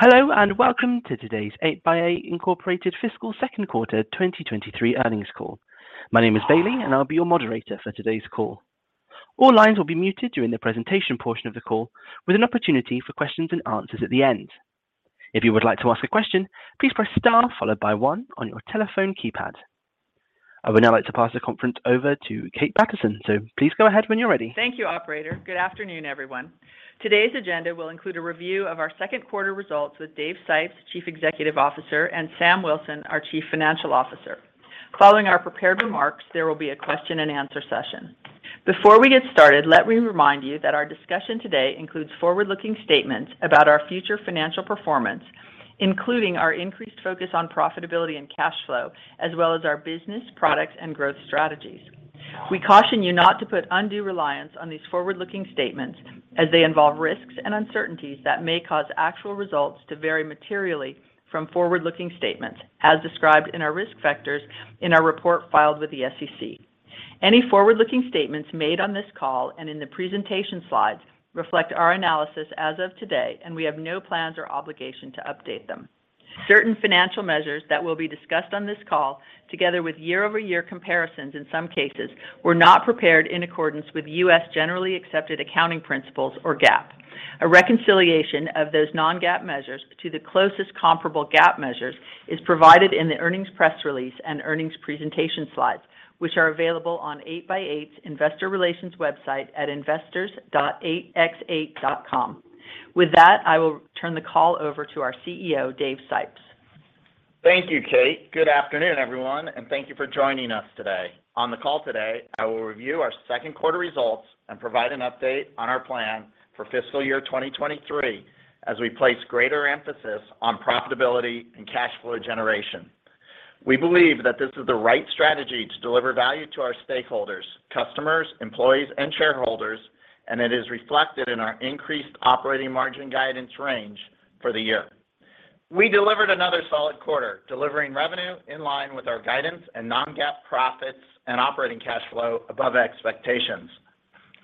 Hello, and welcome to today's 8x8, Inc. fiscal second quarter 2023 earnings call. My name is Bailey, and I'll be your moderator for today's call. All lines will be muted during the presentation portion of the call, with an opportunity for questions and answers at the end. If you would like to ask a question, please press star followed by one on your telephone keypad. I would now like to pass the conference over to Kate Patterson, so please go ahead when you're ready. Thank you, operator. Good afternoon, everyone. Today's agenda will include a review of our second quarter results with Dave Sipes, Chief Executive Officer, and Sam Wilson, our Chief Financial Officer. Following our prepared remarks, there will be a question and answer session. Before we get started, let me remind you that our discussion today includes forward-looking statements about our future financial performance, including our increased focus on profitability and cash flow, as well as our business, products, and growth strategies. We caution you not to put undue reliance on these forward-looking statements as they involve risks and uncertainties that may cause actual results to vary materially from forward-looking statements as described in our risk factors in our report filed with the SEC. Any forward-looking statements made on this call and in the presentation slides reflect our analysis as of today, and we have no plans or obligation to update them. Certain financial measures that will be discussed on this call, together with year-over-year comparisons in some cases, were not prepared in accordance with U.S. generally accepted accounting principles or GAAP. A reconciliation of those non-GAAP measures to the closest comparable GAAP measures is provided in the earnings press release and earnings presentation slides, which are available on 8x8's investor relations website at investors.8x8.com. With that, I will turn the call over to our CEO, Dave Sipes. Thank you, Kate. Good afternoon, everyone, and thank you for joining us today. On the call today, I will review our second quarter results and provide an update on our plan for fiscal year 2023 as we place greater emphasis on profitability and cash flow generation. We believe that this is the right strategy to deliver value to our stakeholders, customers, employees, and shareholders, and it is reflected in our increased operating margin guidance range for the year. We delivered another solid quarter, delivering revenue in line with our guidance and non-GAAP profits and operating cash flow above expectations.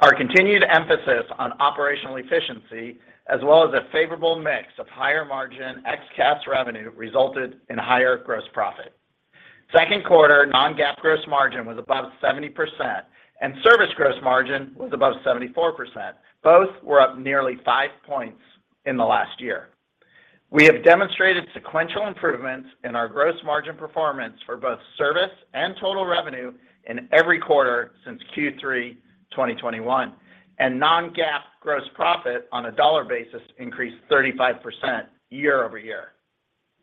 Our continued emphasis on operational efficiency as well as a favorable mix of higher margin XCaaS revenue resulted in higher gross profit. Second quarter non-GAAP gross margin was above 70%, and service gross margin was above 74%. Both were up nearly five points in the last year. We have demonstrated sequential improvements in our gross margin performance for both service and total revenue in every quarter since Q3 2021, and non-GAAP gross profit on a dollar basis increased 35% year-over-year.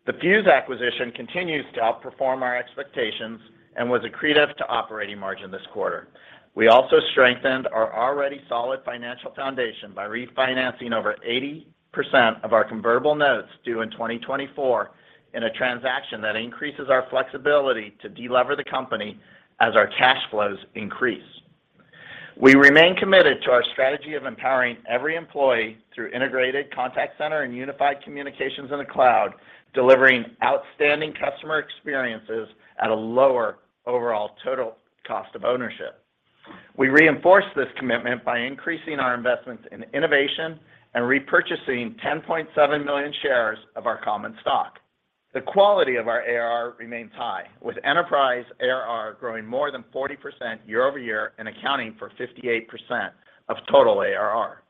The Fuze acquisition continues to outperform our expectations and was accretive to operating margin this quarter. We also strengthened our already solid financial foundation by refinancing over 80% of our convertible notes due in 2024 in a transaction that increases our flexibility to delever the company as our cash flows increase. We remain committed to our strategy of empowering every employee through integrated contact center and unified communications in the cloud, delivering outstanding customer experiences at a lower overall total cost of ownership. We reinforce this commitment by increasing our investments in innovation and repurchasing 10.7 million shares of our common stock. The quality of our ARR remains high, with enterprise ARR growing more than 40% year-over-year and accounting for 58% of total ARR.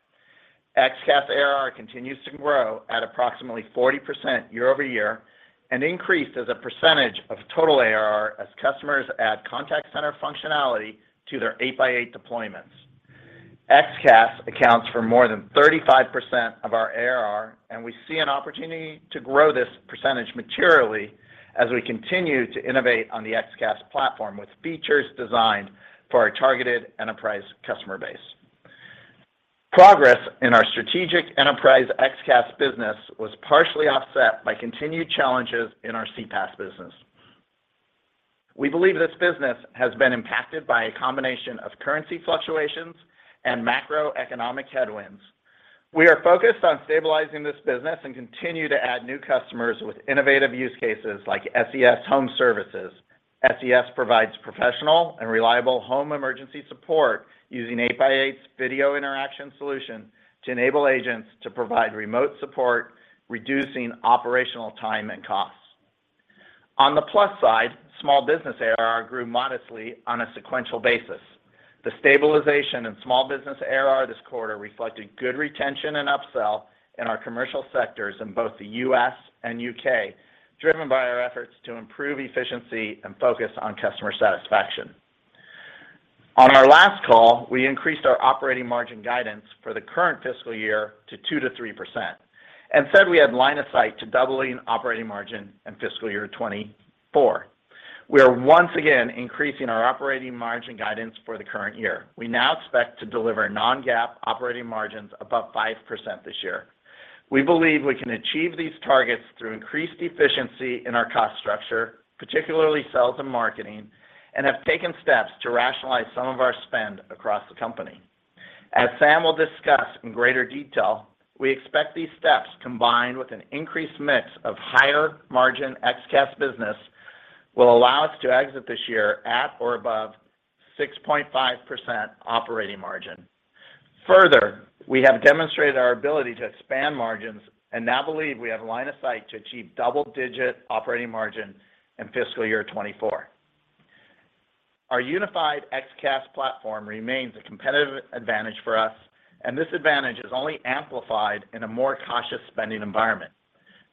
XCaaS ARR continues to grow at approximately 40% year-over-year and increased as a percentage of total ARR as customers add contact center functionality to their 8x8 deployments. XCaaS accounts for more than 35% of our ARR, and we see an opportunity to grow this percentage materially as we continue to innovate on the XCaaS platform with features designed for our targeted enterprise customer base. Progress in our strategic enterprise XCaaS business was partially offset by continued challenges in our CPaaS business. We believe this business has been impacted by a combination of currency fluctuations and macroeconomic headwinds. We are focused on stabilizing this business and continue to add new customers with innovative use cases like SES Home Services. SES provides professional and reliable home emergency support using 8x8's video interaction solution to enable agents to provide remote support, reducing operational time and costs. On the plus side, small business ARR grew modestly on a sequential basis. The stabilization in small business ARR this quarter reflected good retention and upsell in our commercial sectors in both the U.S. and U.K., driven by our efforts to improve efficiency and focus on customer satisfaction. On our last call, we increased our operating margin guidance for the current fiscal year to 2%-3% and said we had line of sight to doubling operating margin in fiscal year 2024. We are once again increasing our operating margin guidance for the current year. We now expect to deliver non-GAAP operating margins above 5% this year. We believe we can achieve these targets through increased efficiency in our cost structure, particularly sales and marketing, and have taken steps to rationalize some of our spend across the company. As Sam will discuss in greater detail, we expect these steps, combined with an increased mix of higher margin XCaaS business, will allow us to exit this year at or above 6.5% operating margin. Further, we have demonstrated our ability to expand margins and now believe we have line of sight to achieve double-digit operating margin in fiscal year 2024. Our unified XCaaS platform remains a competitive advantage for us, and this advantage is only amplified in a more cautious spending environment.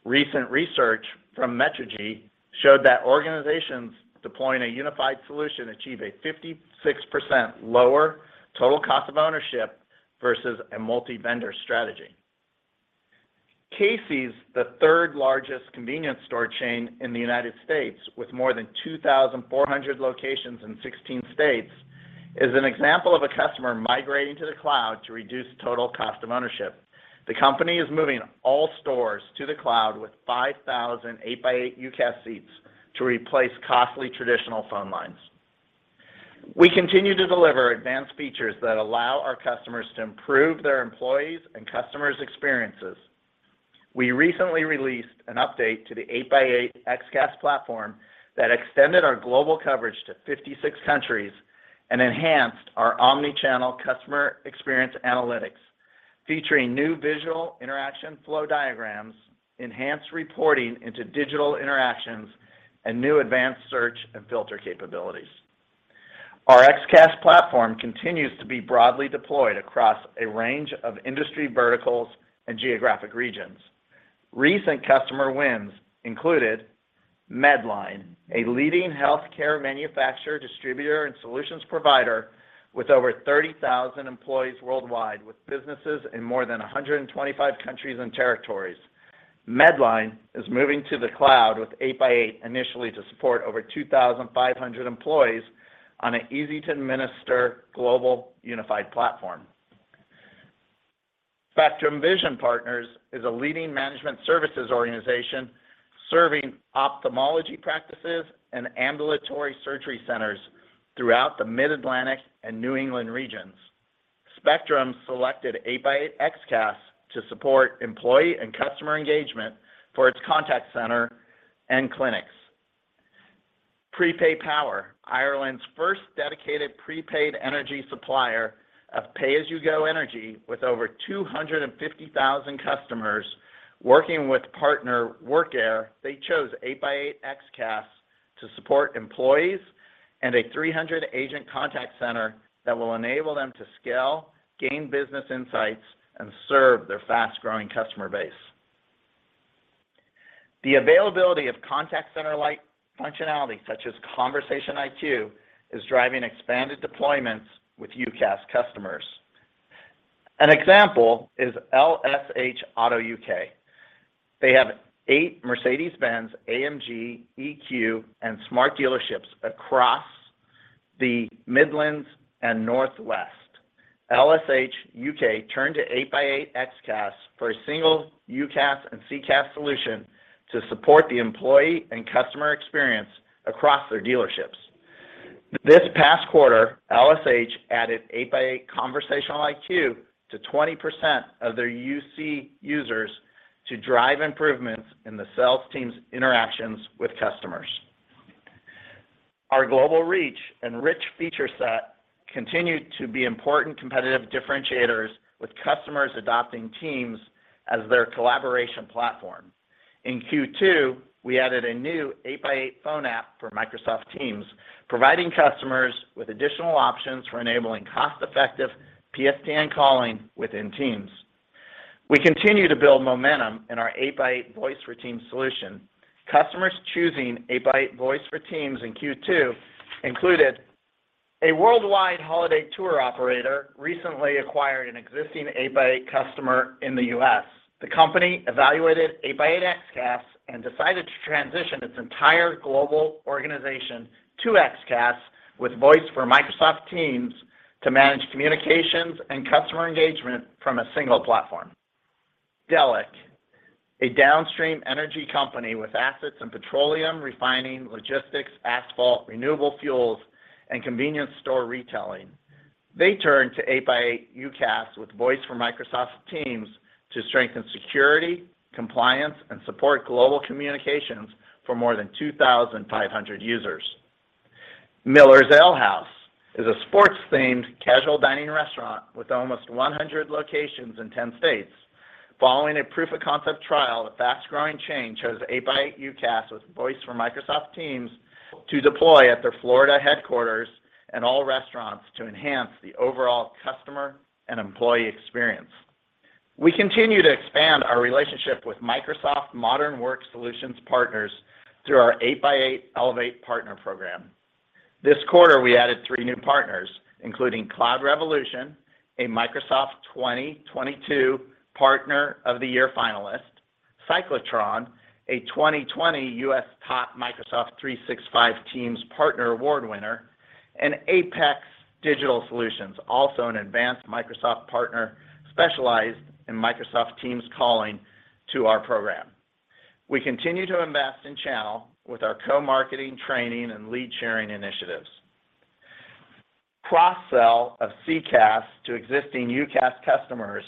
Recent research from Metrigy showed that organizations deploying a unified solution achieve a 56% lower total cost of ownership versus a multi-vendor strategy. Casey's, the third-largest convenience store chain in the United States, with more than 2,400 locations in 16 states, is an example of a customer migrating to the cloud to reduce total cost of ownership. The company is moving all stores to the cloud with 5,000 8x8 UCaaS seats to replace costly traditional phone lines. We continue to deliver advanced features that allow our customers to improve their employees' and customers' experiences. We recently released an update to the 8x8 XCaaS platform that extended our global coverage to 56 countries and enhanced our omni-channel customer experience analytics, featuring new visual interaction flow diagrams, enhanced reporting into digital interactions, and new advanced search and filter capabilities. Our XCaaS platform continues to be broadly deployed across a range of industry verticals and geographic regions. Recent customer wins included Medline, a leading healthcare manufacturer, distributor, and solutions provider with over 30,000 employees worldwide with businesses in more than 125 countries and territories. Medline is moving to the cloud with 8x8 initially to support over 2,500 employees on an easy-to-administer global unified platform. Spectrum Vision Partners is a leading management services organization serving ophthalmology practices and ambulatory surgery centers throughout the Mid-Atlantic and New England regions. Spectrum selected 8x8 XCaaS to support employee and customer engagement for its contact center and clinics. PrePayPower, Ireland's first dedicated prepaid energy supplier of pay-as-you-go energy with over 250,000 customers working with partner Workair, they chose 8x8 XCaaS to support employees and a 300-agent contact center that will enable them to scale, gain business insights, and serve their fast-growing customer base. The availability of contact center light functionality, such as Conversation IQ, is driving expanded deployments with UCaaS customers. An example is LSH Auto U.K. They have eight Mercedes-Benz, AMG, EQ, and smart dealerships across the Midlands and Northwest. LSH U.K. turned to 8x8 XCaaS for a single UCaaS and CCaaS solution to support the employee and customer experience across their dealerships. This past quarter, LSH added 8x8 Conversation IQ to 20% of their UC users to drive improvements in the sales team's interactions with customers. Our global reach and rich feature set continue to be important competitive differentiators with customers adopting Teams as their collaboration platform. In Q2, we added a new 8x8 Phone App for Microsoft Teams, providing customers with additional options for enabling cost-effective PSTN calling within Teams. We continue to build momentum in our 8x8 Voice for Teams solution. Customers choosing 8x8 Voice for Teams in Q2 included a worldwide holiday tour operator recently acquired an existing 8x8 customer in the U.S. The company evaluated 8x8 XCaaS and decided to transition its entire global organization to XCaaS with Voice for Microsoft Teams to manage communications and customer engagement from a single platform. Delek, a downstream energy company with assets in petroleum refining, logistics, asphalt, renewable fuels, and convenience store retailing. They turned to 8x8 UCaaS with Voice for Microsoft Teams to strengthen security, compliance, and support global communications for more than 2,500 users. Miller's Ale House is a sports-themed casual dining restaurant with almost 100 locations in 10 states. Following a proof-of-concept trial, the fast-growing chain chose 8x8 UCaaS with Voice for Microsoft Teams to deploy at their Florida headquarters and all restaurants to enhance the overall customer and employee experience. We continue to expand our relationship with Microsoft Modern Work Solutions partners through our 8x8 Elevate Partner Program. This quarter, we added three new partners, including Cloud Revolution, a Microsoft 2022 Partner of the Year finalist, Cyclotron, a 2020 U.S. top Microsoft 365 Teams Partner Award winner, and Apex Digital Solutions, also an advanced Microsoft partner specialized in Microsoft Teams Calling to our program. We continue to invest in channel with our co-marketing, training, and lead-sharing initiatives. Cross-sell of CCaaS to existing UCaaS customers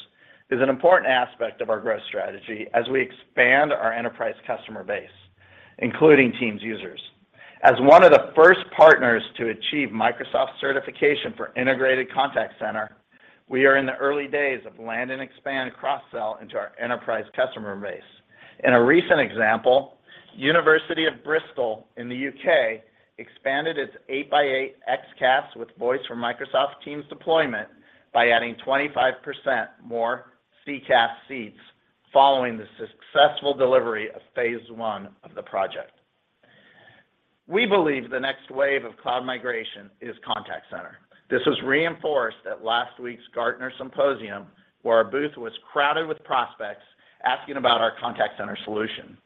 is an important aspect of our growth strategy as we expand our enterprise customer base, including Teams users. One of the first partners to achieve Microsoft certification for integrated contact center, we are in the early days of land and expand cross-sell into our enterprise customer base. In a recent example, University of Bristol in the U.K. expanded its 8x8 XCaaS with voice from Microsoft Teams deployment by adding 25% more CCaaS seats following the successful delivery of phase one of the project. We believe the next wave of cloud migration is contact center. This was reinforced at last week's Gartner Symposium, where our booth was crowded with prospects asking about our contact center solution.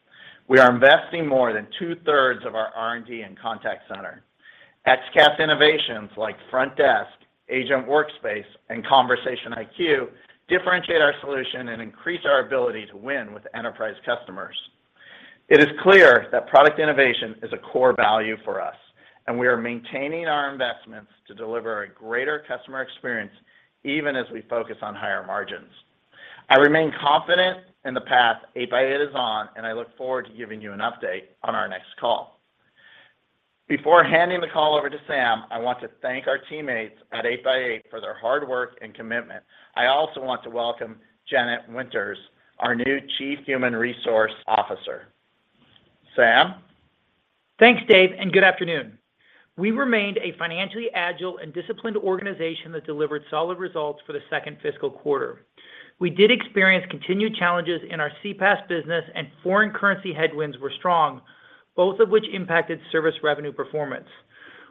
We are investing more than 2/3 of our R&D in contact center. XCaaS innovations like Frontdesk, Agent Workspace, and Conversation IQ differentiate our solution and increase our ability to win with enterprise customers. It is clear that product innovation is a core value for us, and we are maintaining our investments to deliver a greater customer experience even as we focus on higher margins. I remain confident in the path 8x8 is on, and I look forward to giving you an update on our next call. Before handing the call over to Sam, I want to thank our teammates at 8x8 for their hard work and commitment. I also want to welcome Jeanette Winters, our new Chief Human Resources Officer. Sam? Thanks, Dave, and good afternoon. We remained a financially agile and disciplined organization that delivered solid results for the second fiscal quarter. We did experience continued challenges in our CPaaS business and foreign currency headwinds were strong, both of which impacted service revenue performance.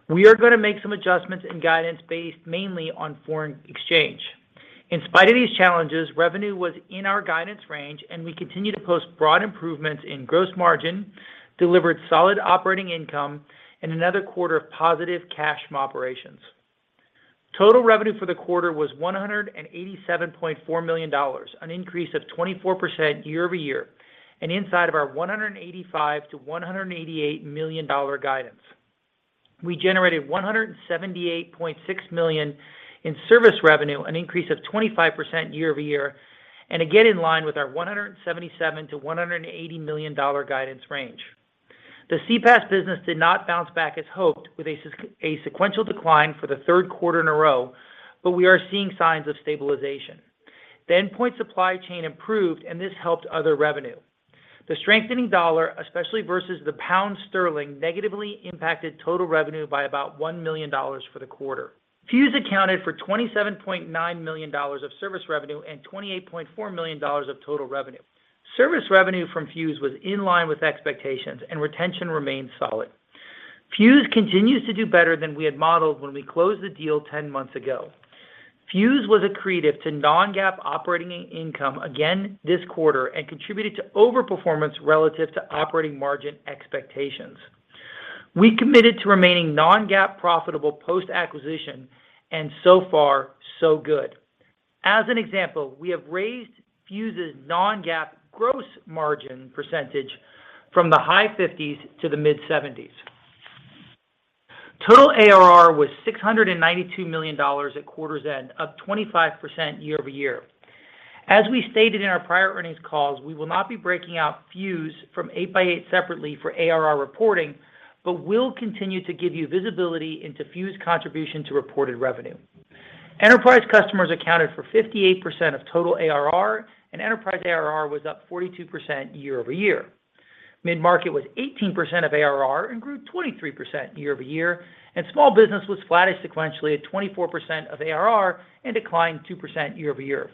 We are gonna make some adjustments in guidance based mainly on foreign exchange. In spite of these challenges, revenue was in our guidance range, and we continue to post broad improvements in gross margin, delivered solid operating income, and another quarter of positive cash from operations. Total revenue for the quarter was $187.4 million, an increase of 24% year-over-year and inside of our $185 million-$188 million guidance. We generated $178.6 million in service revenue, an increase of 25% year-over-year, and again in line with our $177 million-$180 million guidance range. The CPaaS business did not bounce back as hoped, with a sequential decline for the third quarter in a row, but we are seeing signs of stabilization. The endpoint supply chain improved, and this helped other revenue. The strengthening dollar, especially versus the pound sterling, negatively impacted total revenue by about $1 million for the quarter. Fuze accounted for $27.9 million of service revenue and $28.4 million of total revenue. Service revenue from Fuze was in line with expectations and retention remained solid. Fuze continues to do better than we had modeled when we closed the deal 10 months ago. Fuze was accretive to non-GAAP operating income again this quarter and contributed to overperformance relative to operating margin expectations. We committed to remaining non-GAAP profitable post-acquisition, and so far, so good. As an example, we have raised Fuze's non-GAAP gross margin percentage from the high 50s% to the mid-70s%. Total ARR was $692 million at quarter's end, up 25% year-over-year. As we stated in our prior earnings calls, we will not be breaking out Fuze from 8x8 separately for ARR reporting, but will continue to give you visibility into Fuze contribution to reported revenue. Enterprise customers accounted for 58% of total ARR, and enterprise ARR was up 42% year-over-year. Mid-market was 18% of ARR and grew 23% year-over-year, and small business was flattish sequentially at 24% of ARR and declined 2% year-over-year.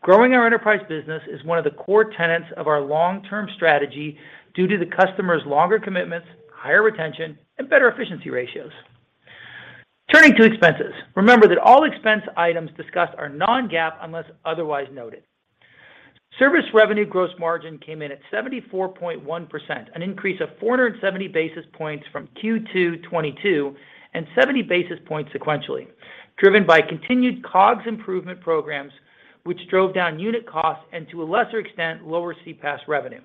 Growing our enterprise business is one of the core tenets of our long-term strategy due to the customers' longer commitments, higher retention, and better efficiency ratios. Turning to expenses. Remember that all expense items discussed are non-GAAP unless otherwise noted. Service revenue gross margin came in at 74.1%, an increase of 470 basis points from Q2 2022 and 70 basis points sequentially, driven by continued COGS improvement programs, which drove down unit costs and, to a lesser extent, lower CPaaS revenue.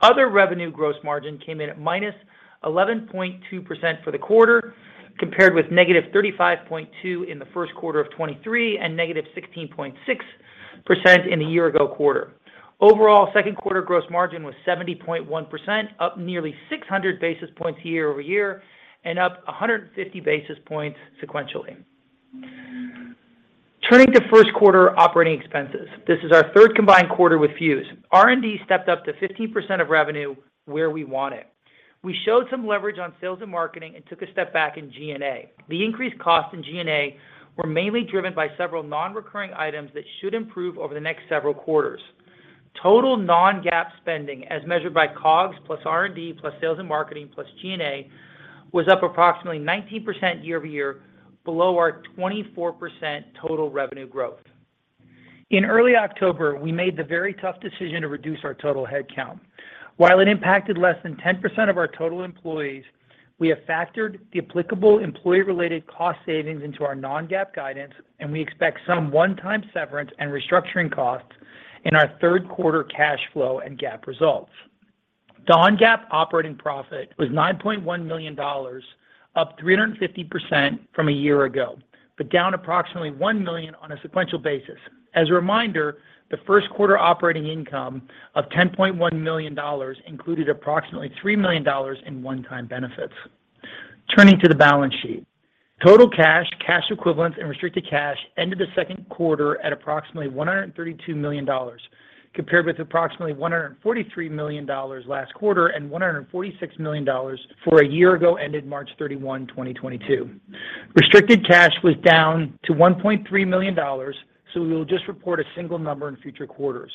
Other revenue gross margin came in at -11.2% for the quarter, compared with -35.2% in the first quarter of 2023 and -16.6% in the year ago quarter. Overall, second quarter gross margin was 70.1%, up nearly 600 basis points year-over-year and up 150 basis points sequentially. Turning to first quarter operating expenses. This is our third combined quarter with Fuze. R&D stepped up to 15% of revenue where we want it. We showed some leverage on sales and marketing and took a step back in G&A. The increased costs in G&A were mainly driven by several non-recurring items that should improve over the next several quarters. Total non-GAAP spending, as measured by COGS plus R&D plus sales and marketing plus G&A, was up approximately 19% year-over-year, below our 24% total revenue growth. In early October, we made the very tough decision to reduce our total headcount. While it impacted less than 10% of our total employees, we have factored the applicable employee-related cost savings into our non-GAAP guidance, and we expect some one-time severance and restructuring costs in our third quarter cash flow and GAAP results. Non-GAAP operating profit was $9.1 million, up 350% from a year ago, but down approximately $1 million on a sequential basis. As a reminder, the first quarter operating income of $10.1 million included approximately $3 million in one-time benefits. Turning to the balance sheet. Total cash equivalents, and restricted cash ended the second quarter at approximately $132 million, compared with approximately $143 million last quarter and $146 million for a year ago, ended March 31, 2022. Restricted cash was down to $1.3 million, so we will just report a single number in future quarters.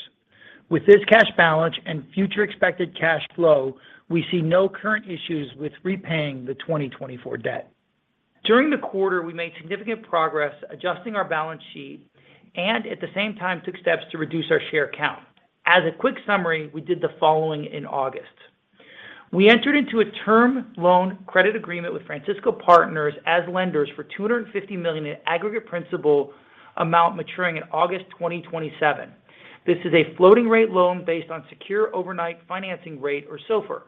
With this cash balance and future expected cash flow, we see no current issues with repaying the 2024 debt. During the quarter, we made significant progress adjusting our balance sheet and at the same time took steps to reduce our share count. As a quick summary, we did the following in August. We entered into a term loan credit agreement with Francisco Partners as lenders for $250 million in aggregate principal amount maturing in August 2027. This is a floating rate loan based on secure overnight financing rate or SOFR.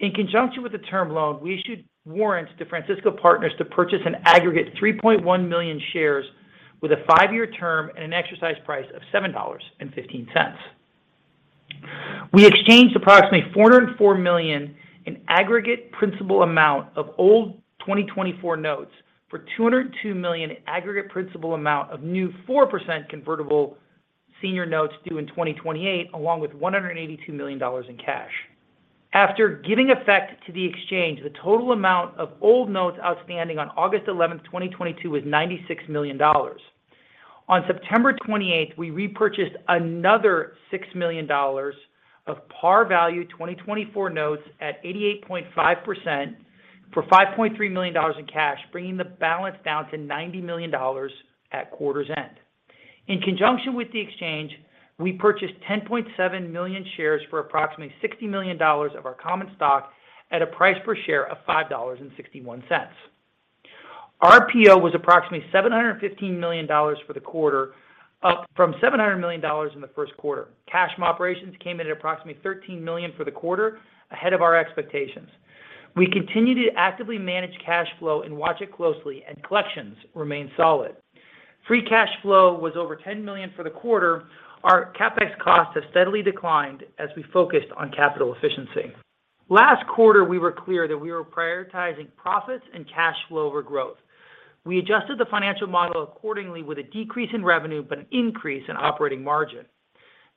In conjunction with the term loan, we issued warrants to Francisco Partners to purchase an aggregate 3.1 million shares with a five-year term at an exercise price of $7.15. We exchanged approximately $404 million in aggregate principal amount of old 2024 notes for $202 million in aggregate principal amount of new 4% convertible senior notes due in 2028, along with $182 million in cash. After giving effect to the exchange, the total amount of old notes outstanding on August 11th, 2022 was $96 million. On September 28th, we repurchased another $6 million of par value 2024 notes at 88.5% for $5.3 million in cash, bringing the balance down to $90 million at quarter's end. In conjunction with the exchange, we purchased 10.7 million shares for approximately $60 million of our common stock at a price per share of $5.61. RPO was approximately $715 million for the quarter, up from $700 million in the first quarter. Cash from operations came in at approximately $13 million for the quarter, ahead of our expectations. We continue to actively manage cash flow and watch it closely, and collections remain solid. Free cash flow was over $10 million for the quarter. Our CapEx costs have steadily declined as we focused on capital efficiency. Last quarter, we were clear that we were prioritizing profits and cash flow over growth. We adjusted the financial model accordingly with a decrease in revenue, but an increase in operating margin.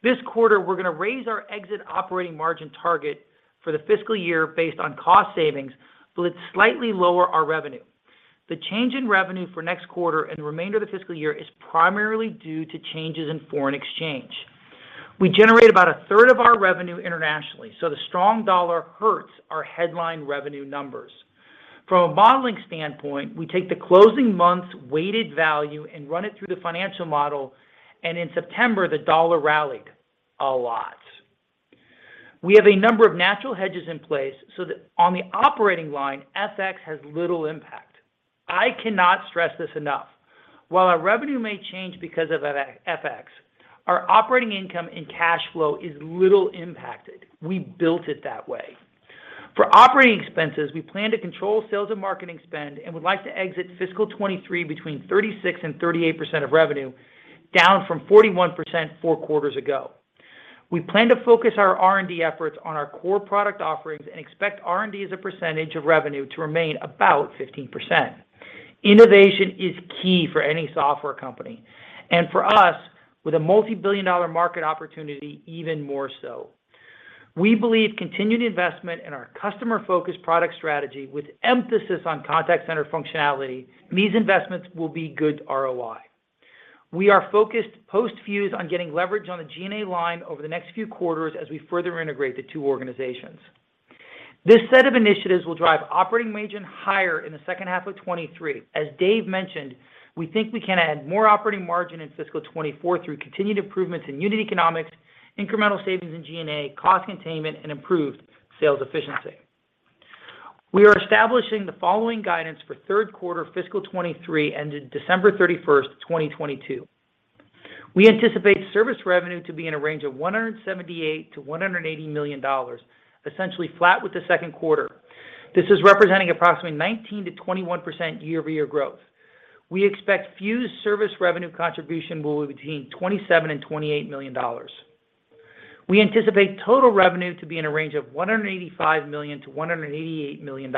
This quarter, we're gonna raise our exit operating margin target for the fiscal year based on cost savings, but slightly lower our revenue. The change in revenue for next quarter and the remainder of the fiscal year is primarily due to changes in foreign exchange. We generate about a third of our revenue internationally, so the strong dollar hurts our headline revenue numbers. From a modeling standpoint, we take the closing month's weighted value and run it through the financial model, and in September, the dollar rallied a lot. We have a number of natural hedges in place so that on the operating line, FX has little impact. I cannot stress this enough. While our revenue may change because of FX, our operating income and cash flow is little impacted. We built it that way. For operating expenses, we plan to control sales and marketing spend, and would like to exit fiscal 2023 between 36% and 38% of revenue, down from 41% four quarters ago. We plan to focus our R&D efforts on our core product offerings and expect R&D as a percentage of revenue to remain about 15%. Innovation is key for any software company, and for us, with a multi-billion-dollar market opportunity, even more so. We believe continued investment in our customer-focused product strategy with emphasis on contact center functionality, these investments will be good ROI. We are focused post-Fuze on getting leverage on the G&A line over the next few quarters as we further integrate the two organizations. This set of initiatives will drive operating margin higher in the second half of 2023. As Dave mentioned, we think we can add more operating margin in fiscal 2024 through continued improvements in unit economics, incremental savings in G&A, cost containment, and improved sales efficiency. We are establishing the following guidance for third quarter fiscal 2023, ended December 31st, 2022. We anticipate service revenue to be in a range of $178 million-$180 million, essentially flat with the second quarter. This is representing approximately 19%-21% year-over-year growth. We expect Fuze service revenue contribution will be between $27 million and $28 million. We anticipate total revenue to be in a range of $185 million-$188 million,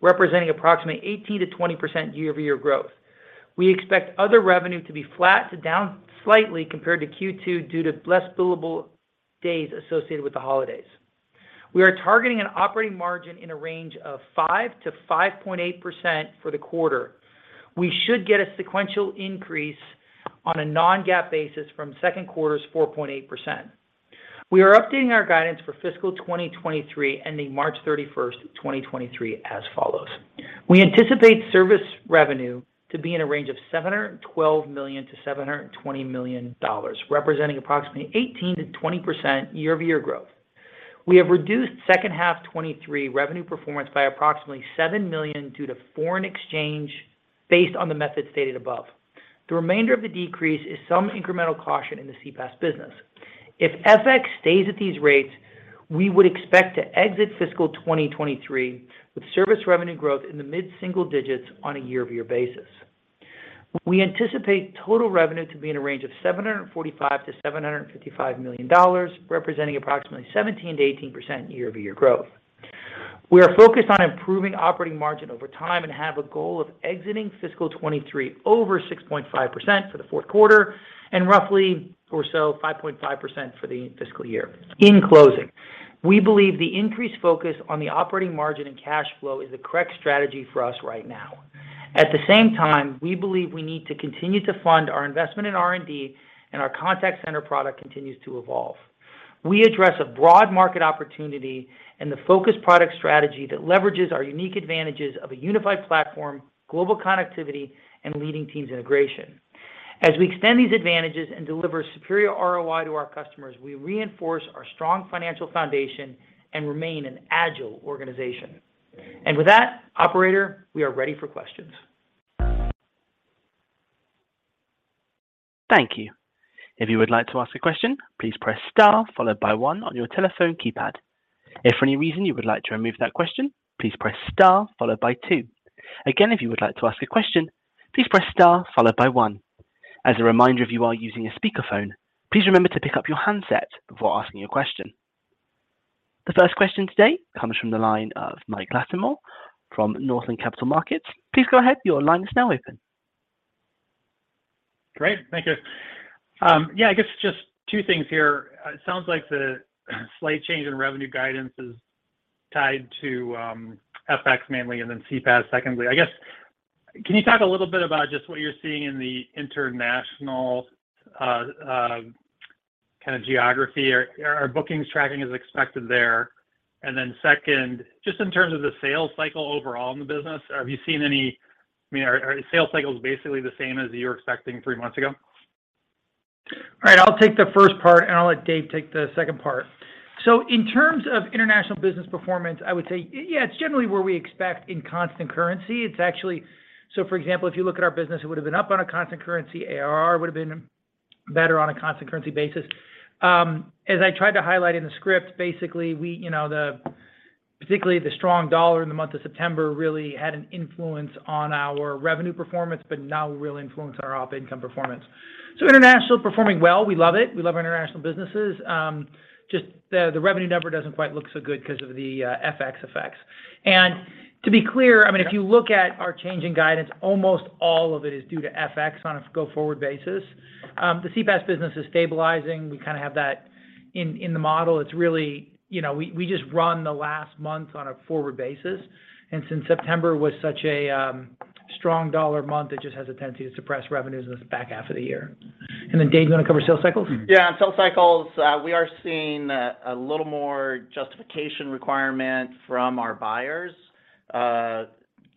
representing approximately 18%-20% year-over-year growth. We expect other revenue to be flat to down slightly compared to Q2 due to less billable days associated with the holidays. We are targeting an operating margin in a range of 5%-5.8% for the quarter. We should get a sequential increase on a non-GAAP basis from second quarter's 4.8%. We are updating our guidance for fiscal 2023, ending March 31st, 2023 as follows. We anticipate service revenue to be in a range of $712 million-$720 million, representing approximately 18%-20% year-over-year growth. We have reduced second half 2023 revenue performance by approximately $7 million due to foreign exchange based on the method stated above. The remainder of the decrease is some incremental caution in the CPaaS business. If FX stays at these rates, we would expect to exit fiscal 2023 with service revenue growth in the mid-single digits on a year-over-year basis. We anticipate total revenue to be in a range of $745 million-$755 million, representing approximately 17%-18% year-over-year growth. We are focused on improving operating margin over time and have a goal of exiting fiscal 2023 over 6.5% for the fourth quarter and roughly or so 5.5% for the fiscal year. In closing, we believe the increased focus on the operating margin and cash flow is the correct strategy for us right now. At the same time, we believe we need to continue to fund our investment in R&D, and our contact center product continues to evolve. We address a broad market opportunity and the focused product strategy that leverages our unique advantages of a unified platform, global connectivity, and leading Teams integration. As we extend these advantages and deliver superior ROI to our customers, we reinforce our strong financial foundation and remain an agile organization. With that, operator, we are ready for questions. Thank you. If you would like to ask a question, please press star followed by one on your telephone keypad. If for any reason you would like to remove that question, please press star followed by two. Again, if you would like to ask a question, please press star followed by one. As a reminder, if you are using a speakerphone, please remember to pick up your handset before asking your question. The first question today comes from the line of Mike Latimore from Northland Capital Markets. Please go ahead. Your line is now open. Great. Thank you. Yeah, I guess just two things here. It sounds like the slight change in revenue guidance is tied to FX mainly, and then CPaaS secondly. I guess can you talk a little bit about just what you're seeing in the international kind of geography? Are bookings tracking as expected there? Then second, just in terms of the sales cycle overall in the business, I mean, are sales cycles basically the same as you were expecting three months ago? All right, I'll take the first part, and I'll let Dave take the second part. In terms of international business performance, I would say yeah, it's generally where we expect in constant currency. It's actually so for example, if you look at our business, it would have been up on a constant currency. ARR would have been better on a constant currency basis. As I tried to highlight in the script, basically we, you know, particularly the strong dollar in the month of September really had an influence on our revenue performance, but not a real influence on our operating income performance. International performing well. We love it. We love our international businesses. Just the revenue number doesn't quite look so good 'cause of the FX effects. To be clear, I mean, if you look at our changing guidance, almost all of it is due to FX on a go-forward basis. The CPaaS business is stabilizing. We kind of have that in the model. It's really, you know, we just run the last month on a forward basis. Since September was such a strong dollar month, it just has a tendency to suppress revenues in the back half of the year. Then Dave, do you want to cover sales cycles? Yeah, on sales cycles, we are seeing a little more justification requirement from our buyers,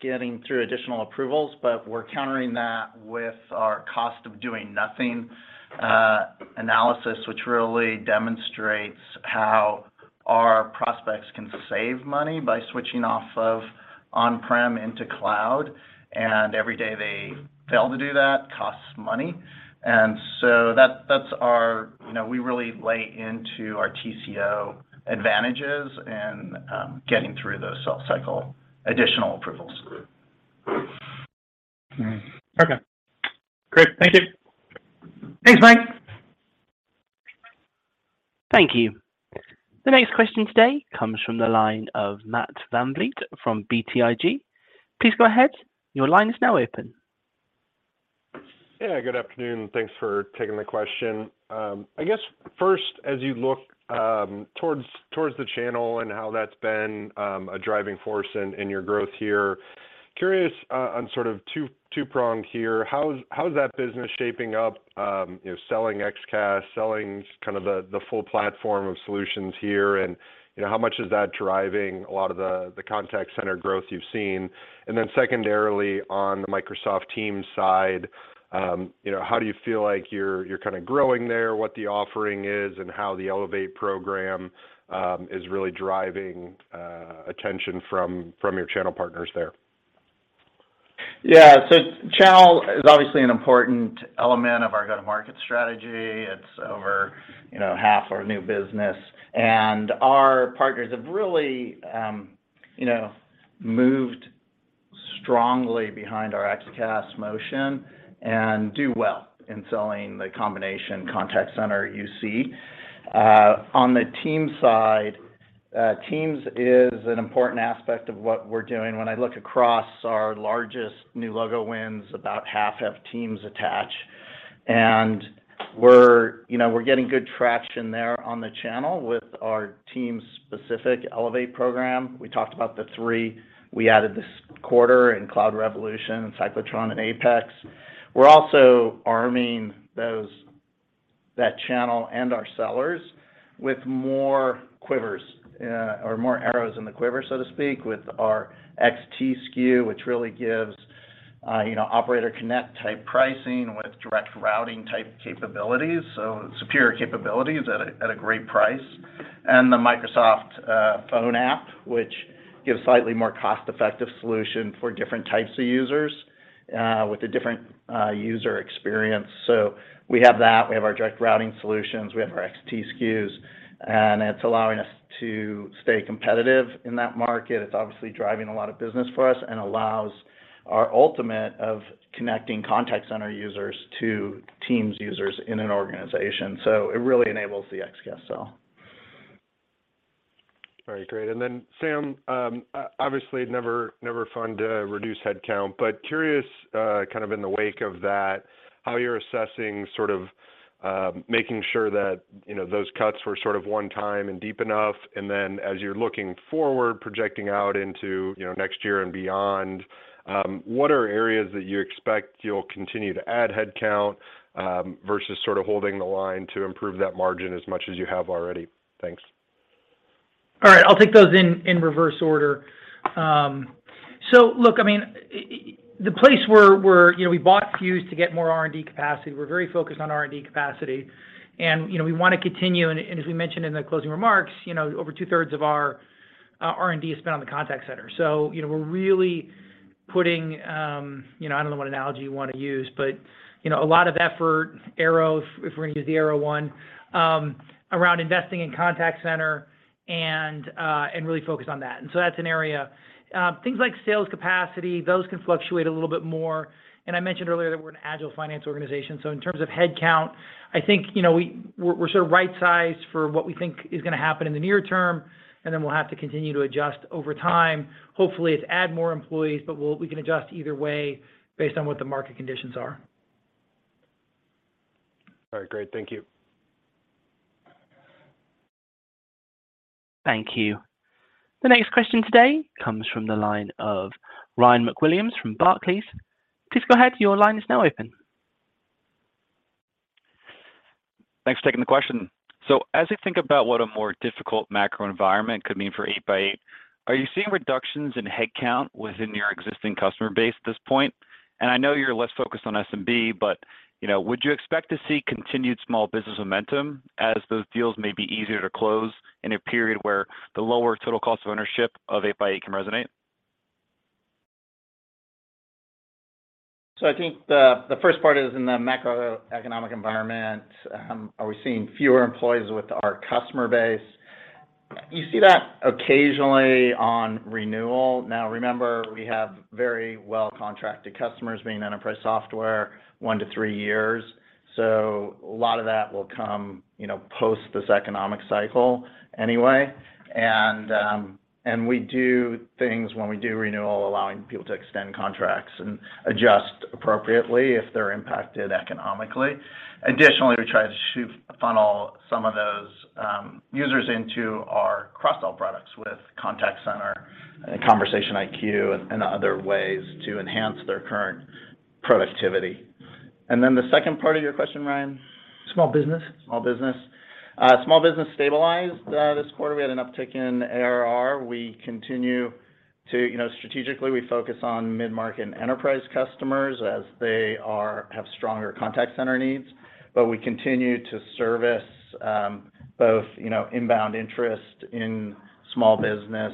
getting through additional approvals, but we're countering that with our cost of doing nothing analysis, which really demonstrates how our prospects can save money by switching off of on-prem into cloud. Every day they fail to do that costs money. That's our. You know, we really lay into our TCO advantages in getting through those sales cycle additional approvals. All right. Okay. Great. Thank you. Thanks, Mike. Thank you. The next question today comes from the line of Matt VanVliet from BTIG. Please go ahead. Your line is now open. Yeah, good afternoon. Thanks for taking the question. I guess first, as you look towards the channel and how that's been a driving force in your growth here, curious on sort of two-pronged here, how's that business shaping up, you know, selling XCaaS, selling kind of the full platform of solutions here, and you know, how much is that driving a lot of the contact center growth you've seen? Then secondarily, on the Microsoft Teams side, you know, how do you feel like you're kind of growing there, what the offering is and how the Elevate program is really driving attention from your channel partners there? Yeah. Channel is obviously an important element of our go-to-market strategy. It's over, you know, half our new business, and our partners have really, you know, moved strongly behind our XCaaS motion and do well in selling the combination contact center UC. On the Teams side, Teams is an important aspect of what we're doing. When I look across our largest new logo wins, about half have Teams attached, and we're, you know, getting good traction there on the channel with our Teams-specific Elevate program. We talked about the three we added this quarter in Cloud Revolution, Cyclotron, and Apex. We're also arming that channel and our sellers with more arrows in the quiver, so to speak, with our XT SKU, which really gives, you know, Operator Connect-type pricing with Direct Routing-type capabilities, so superior capabilities at a great price. The Microsoft phone app, which gives slightly more cost-effective solution for different types of users with a different user experience. We have that, we have our direct routing solutions, we have our XT SKUs, and it's allowing us to stay competitive in that market. It's obviously driving a lot of business for us, and allows us to ultimately connect contact center users to Teams users in an organization. It really enables the XCaaS sell. All right, great. Sam, obviously never fun to reduce headcount, but curious, kind of in the wake of that, how you're assessing sort of making sure that, you know, those cuts were sort of one time and deep enough. As you're looking forward projecting out into, you know, next year and beyond, what are areas that you expect you'll continue to add headcount, versus sort of holding the line to improve that margin as much as you have already? Thanks. All right. I'll take those in reverse order. Look, I mean, you know, we bought Fuze to get more R&D capacity. We're very focused on R&D capacity and, you know, we want to continue and as we mentioned in the closing remarks, you know, over 2/3 of our R&D is spent on the contact center. You know, we're really putting, you know, I don't know what analogy you want to use, but you know, a lot of effort, arrows, if we're gonna use the arrow one, around investing in contact center and really focused on that. That's an area. Things like sales capacity, those can fluctuate a little bit more. I mentioned earlier that we're an agile finance organization, so in terms of headcount, I think, you know, we're sort of right sized for what we think is gonna happen in the near term, and then we'll have to continue to adjust over time. Hopefully it's add more employees, but we can adjust either way based on what the market conditions are. All right, great. Thank you. Thank you. The next question today comes from the line of Ryan MacWilliams from Barclays. Please go ahead. Your line is now open. Thanks for taking the question. As you think about what a more difficult macro environment could mean for 8x8, are you seeing reductions in headcount within your existing customer base at this point? I know you're less focused on SMB, but, you know, would you expect to see continued small business momentum as those deals may be easier to close in a period where the lower total cost of ownership of 8x8 can resonate? I think the first part is in the macroeconomic environment, are we seeing fewer employees with our customer base? You see that occasionally on renewal. Now remember, we have very well-contracted customers, being enterprise software, one to three years. A lot of that will come, you know, post this economic cycle anyway. We do things when we do renewal, allowing people to extend contracts and adjust appropriately if they're impacted economically. Additionally, we try to funnel some of those users into our cross-sell products with contact center and Conversation IQ and other ways to enhance their current productivity. The second part of your question, Ryan? Small business. Small business stabilized this quarter. We had an uptick in ARR. We continue to, you know, strategically we focus on mid-market and enterprise customers as they have stronger contact center needs, but we continue to service both, you know, inbound interest in small business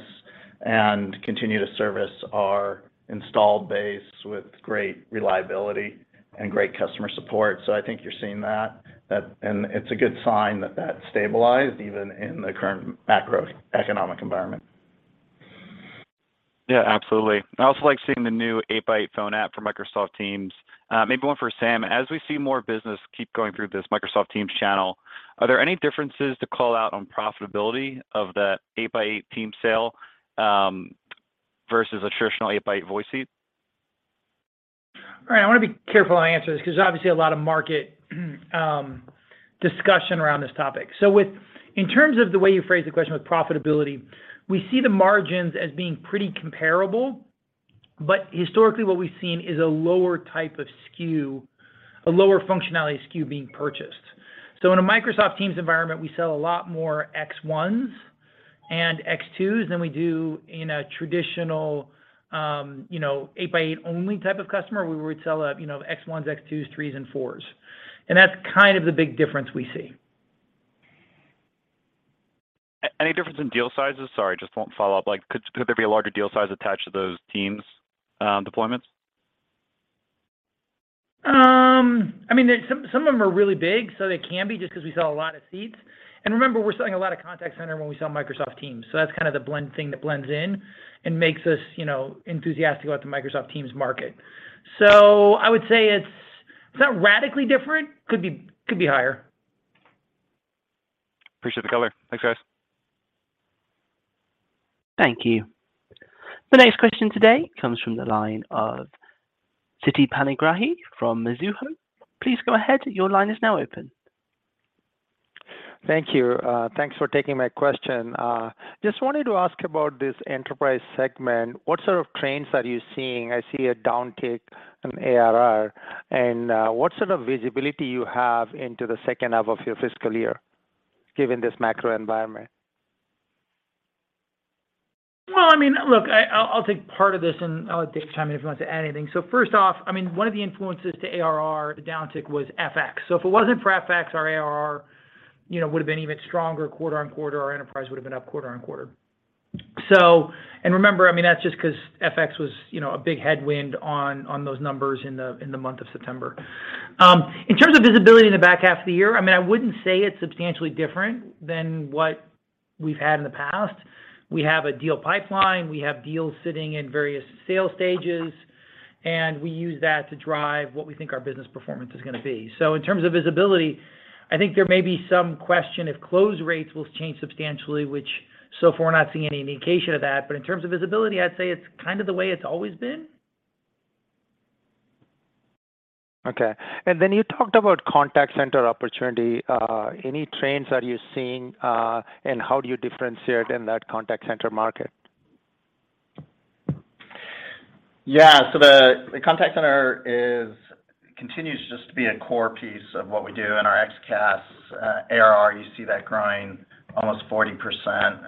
and continue to service our installed base with great reliability and great customer support. I think you're seeing that. It's a good sign that stabilized even in the current macroeconomic environment. Yeah, absolutely. I also like seeing the new 8x8 Phone App for Microsoft Teams. Maybe one for Sam. As we see more business keep going through this Microsoft Teams channel, are there any differences to call out on profitability of that 8x8 Teams sale versus a traditional 8x8 voice seat? All right. I wanna be careful how I answer this because obviously a lot of market discussion around this topic. In terms of the way you phrased the question with profitability, we see the margins as being pretty comparable, but historically what we've seen is a lower type of SKU, a lower functionality SKU being purchased. In a Microsoft Teams environment, we sell a lot more X1s and X2s than we do in a traditional, you know, 8x8 only type of customer, where we would sell a, you know, X1s, X2s, 3s, and 4s. That's kind of the big difference we see. Any difference in deal sizes? Sorry, just one follow-up. Like, could there be a larger deal size attached to those Teams deployments? I mean some of them are really big, so they can be just 'cause we sell a lot of seats. Remember we're selling a lot of contact center when we sell Microsoft Teams, so that's kind of the blend thing that blends in and makes us, you know, enthusiastic about the Microsoft Teams market. I would say it's not radically different. Could be higher. Appreciate the color. Thanks, guys. Thank you. The next question today comes from the line of Siti Panigrahi from Mizuho. Please go ahead. Your line is now open. Thank you. Thanks for taking my question. Just wanted to ask about this enterprise segment. What sort of trends are you seeing? I see a downtick in ARR. What sort of visibility you have into the second half of your fiscal year given this macro environment? Well, I mean, look, I'll take part of this and I'll let Dave chime in if he wants to add anything. First off, I mean, one of the influences to ARR, the downtick was FX. If it wasn't for FX, our ARR, you know, would've been even stronger quarter-over-quarter. Our enterprise would've been up quarter-over-quarter. Remember, I mean, that's just 'cause FX was, you know, a big headwind on those numbers in the month of September. In terms of visibility in the back half of the year, I mean, I wouldn't say it's substantially different than what we've had in the past. We have a deal pipeline, we have deals sitting in various sales stages, and we use that to drive what we think our business performance is gonna be. In terms of visibility, I think there may be some question if close rates will change substantially, which so far not seeing any indication of that. In terms of visibility, I'd say it's kind of the way it's always been. Okay. You talked about contact center opportunity. Any trends are you seeing, and how do you differentiate in that contact center market? Yeah. The contact center continues to just be a core piece of what we do in our XCaaS ARR. You see that growing almost 40%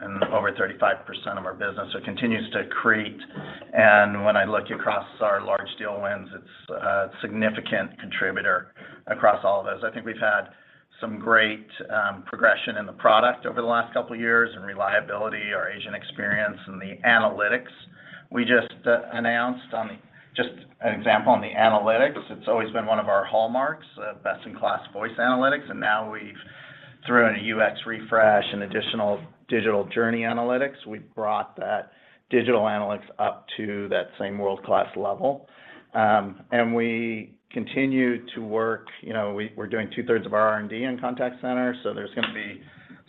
and over 35% of our business. It continues to create, and when I look across our large deal wins, it's a significant contributor across all of those. I think we've had some great progression in the product over the last couple of years, and reliability, our agent experience, and the analytics. We just announced. Just an example on the analytics. It's always been one of our hallmarks, best in class voice analytics, and now we've thrown in a UX refresh and additional digital journey analytics. We've brought that digital analytics up to that same world-class level. We continue to work. You know, we're doing two-thirds of our R&D in contact center, so there's gonna be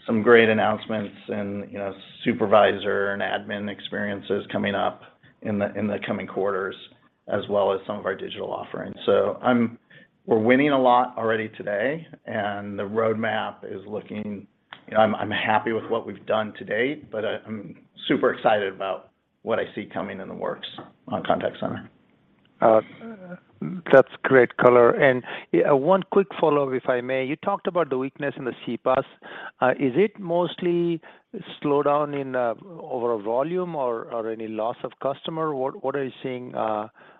some great announcements and, you know, supervisor and admin experiences coming up in the coming quarters, as well as some of our digital offerings. We're winning a lot already today, and the roadmap is looking. You know, I'm happy with what we've done to date, but I'm super excited about what I see coming in the works on contact center. That's great color. One quick follow-up, if I may. You talked about the weakness in the CPaaS. Is it mostly slowdown in overall volume or any loss of customer? What are you seeing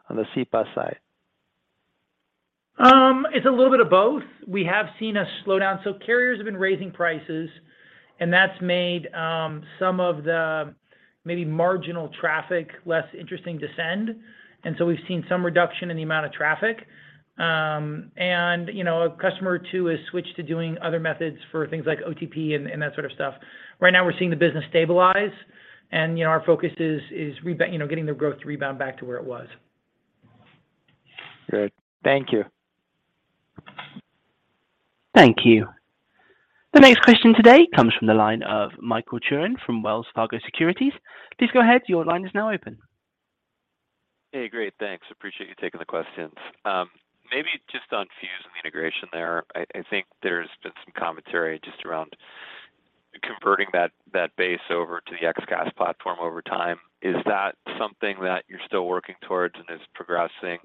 on the CPaaS side? It's a little bit of both. We have seen a slowdown. Carriers have been raising prices, and that's made some of the maybe marginal traffic less interesting to send. We've seen some reduction in the amount of traffic. You know, a customer or two has switched to doing other methods for things like OTP and that sort of stuff. Right now we're seeing the business stabilize and, you know, our focus is getting the growth to rebound back to where it was. Great. Thank you. Thank you. The next question today comes from the line of Michael Turrin from Wells Fargo Securities. Please go ahead, your line is now open. Hey. Great. Thanks. Appreciate you taking the questions. Maybe just on Fuze and the integration there. I think there's been some commentary just around converting that base over to the XCaaS platform over time. Is that something that you're still working towards and is progressing?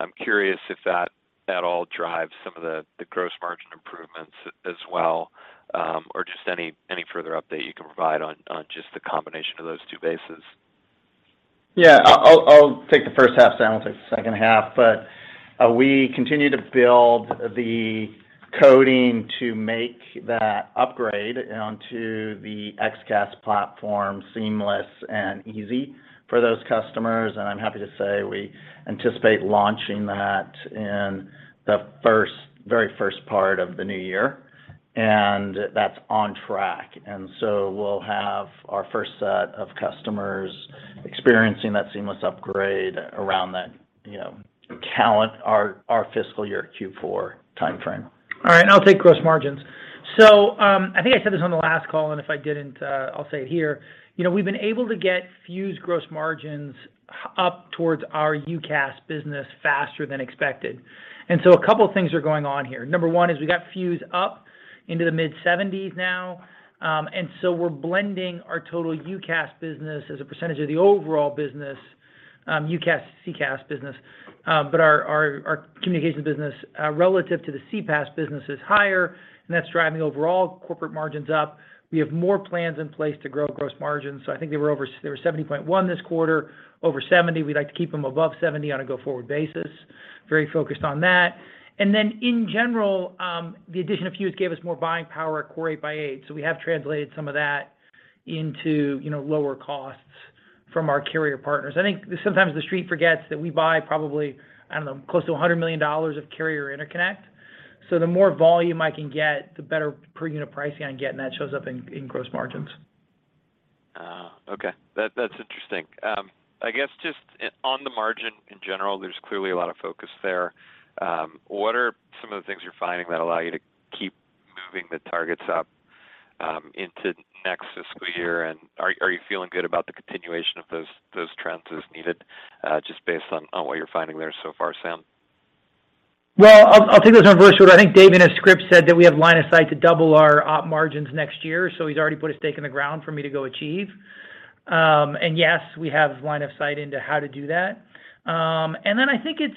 I'm curious if that at all drives some of the gross margin improvements as well, or just any further update you can provide on just the combination of those two bases. Yeah. I'll take the first half, Sam will take the second half. We continue to build the coding to make that upgrade onto the XCaaS platform seamless and easy for those customers, and I'm happy to say we anticipate launching that in the first, very first part of the new year, and that's on track. We'll have our first set of customers experiencing that seamless upgrade around that, you know, calendar our fiscal year Q4 timeframe. All right. I'll take gross margins. I think I said this on the last call, and if I didn't, I'll say it here. You know, we've been able to get Fuze gross margins up towards our UCaaS business faster than expected. A couple things are going on here. Number one is we got Fuze up into the mid-70s% now, and so we're blending our total UCaaS business as a percentage of the overall business, UCaaS, CCaaS business. But our communications business relative to the CPaaS business is higher, and that's driving overall corporate margins up. We have more plans in place to grow gross margins, so I think they were 70.1% this quarter, over 70%. We'd like to keep them above 70% on a go-forward basis. Very focused on that. In general, the addition of Fuze gave us more buying power at core 8x8. So we have translated some of that into, you know, lower costs from our carrier partners. I think sometimes the Street forgets that we buy probably, I don't know, close to $100 million of carrier interconnect. The more volume I can get, the better per unit pricing I get, and that shows up in gross margins. Okay. That's interesting. I guess just on the margin in general, there's clearly a lot of focus there. What are some of the things you're finding that allow you to keep moving the targets up, into next fiscal year? Are you feeling good about the continuation of those trends as needed, just based on what you're finding there so far, Sam? Well, I'll take this one first. I think Dave, in his script, said that we have line of sight to double our op margins next year, so he's already put a stake in the ground for me to go achieve. Yes, we have line of sight into how to do that. I think it's.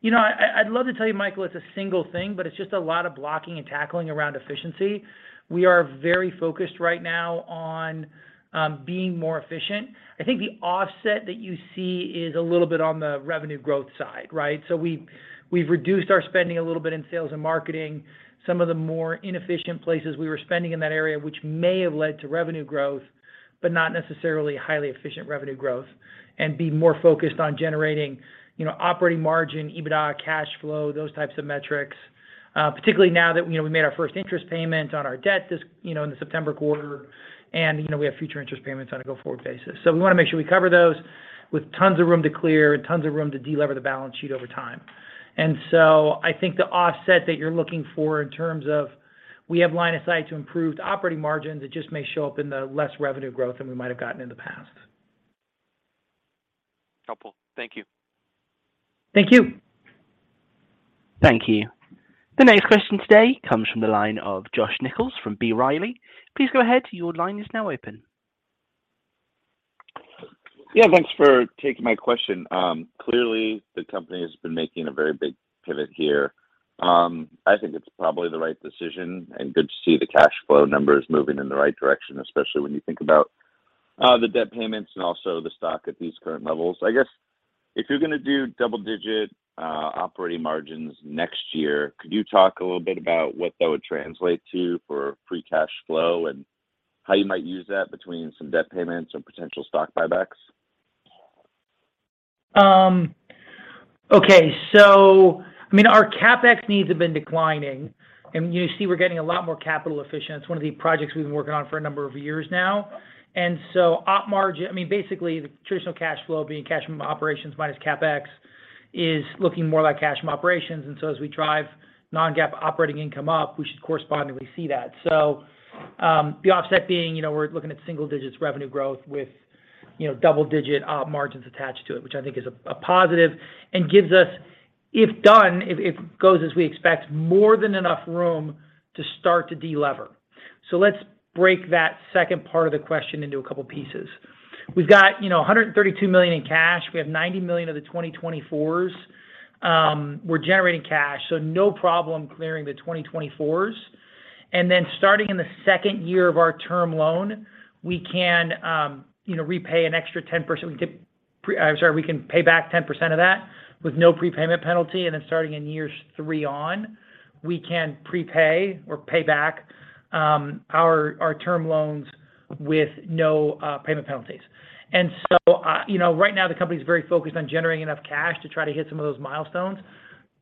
You know, I'd love to tell you, Michael, it's a single thing, but it's just a lot of blocking and tackling around efficiency. We are very focused right now on being more efficient. I think the offset that you see is a little bit on the revenue growth side, right? We've reduced our spending a little bit in sales and marketing, some of the more inefficient places we were spending in that area, which may have led to revenue growth, but not necessarily highly efficient revenue growth and be more focused on generating, you know, operating margin, EBITDA, cash flow, those types of metrics. Particularly now that, you know, we made our first interest payment on our debt this, you know, in the September quarter. We have future interest payments on a go-forward basis. We wanna make sure we cover those with tons of room to clear and tons of room to de-lever the balance sheet over time. I think the offset that you're looking for in terms of we have line of sight to improved operating margins, it just may show up in the less revenue growth than we might have gotten in the past. Helpful. Thank you. Thank you. Thank you. The next question today comes from the line of Josh Nichols from B. Riley. Please go ahead, your line is now open. Yeah, thanks for taking my question. Clearly the company has been making a very big pivot here. I think it's probably the right decision and good to see the cash flow numbers moving in the right direction, especially when you think about the debt payments and also the stock at these current levels. I guess if you're gonna do double-digit operating margins next year, could you talk a little bit about what that would translate to for free cash flow and how you might use that between some debt payments and potential stock buybacks? Okay. I mean, our CapEx needs have been declining, and you see we're getting a lot more capital efficient. It's one of the projects we've been working on for a number of years now. Op margin. I mean, basically the traditional cash flow being cash from operations minus CapEx is looking more like cash from operations. As we drive non-GAAP operating income up, we should correspondingly see that. The offset being, you know, we're looking at single-digit revenue growth with, you know, double-digit op margins attached to it, which I think is a positive and gives us, if it goes as we expect, more than enough room to start to de-lever. Let's break that second part of the question into a couple pieces. We've got, you know, $132 million in cash. We have $90 million of the 2024s. We're generating cash, so no problem clearing the 2024s. Starting in the second year of our term loan, we can, you know, repay an extra 10%. We can pay back 10% of that with no prepayment penalty. Starting in years three on, we can prepay or pay back our term loans with no payment penalties. You know, right now the company's very focused on generating enough cash to try to hit some of those milestones.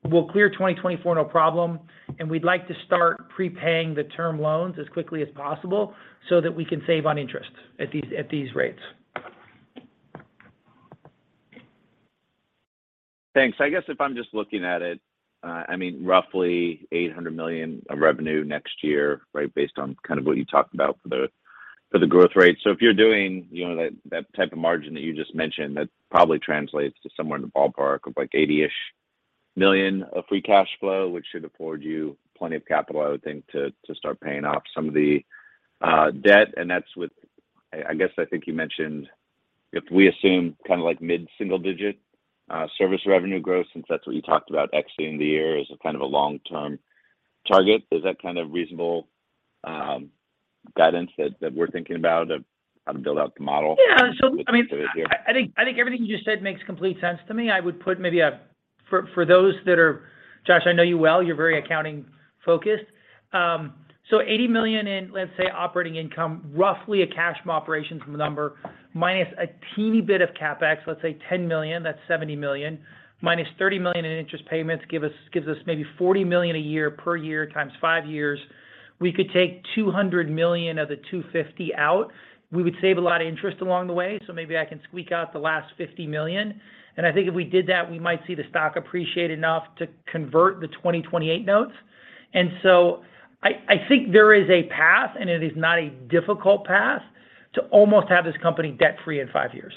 We'll clear 2024, no problem, and we'd like to start prepaying the term loans as quickly as possible so that we can save on interest at these rates. Thanks. I guess if I'm just looking at it, I mean, roughly $800 million of revenue next year, right? Based on kind of what you talked about for the growth rate. If you're doing, you know, that type of margin that you just mentioned, that probably translates to somewhere in the ballpark of like $80-ish million of free cash flow, which should afford you plenty of capital, I would think, to start paying off some of the debt. That's with I guess I think you mentioned if we assume kind of like mid-single-digit service revenue growth, since that's what you talked about exiting the year as a kind of a long-term target. Is that kind of reasonable guidance that we're thinking about of how to build out the model? Yeah. I mean, I think everything you just said makes complete sense to me. I would put maybe. For those that are Josh, I know you well, you're very accounting focused. So $80 million in, let's say, operating income, roughly a cash from operations number minus a teeny bit of CapEx, let's say $10 million, that's $70 million, -$30 million in interest payments gives us maybe $40 million a year per year times five years. We could take $200 million of the $250 million out. We would save a lot of interest along the way, so maybe I can squeak out the last $50 million. I think if we did that, we might see the stock appreciate enough to convert the 2028 notes. I think there is a path, and it is not a difficult path, to almost have this company debt-free in five years.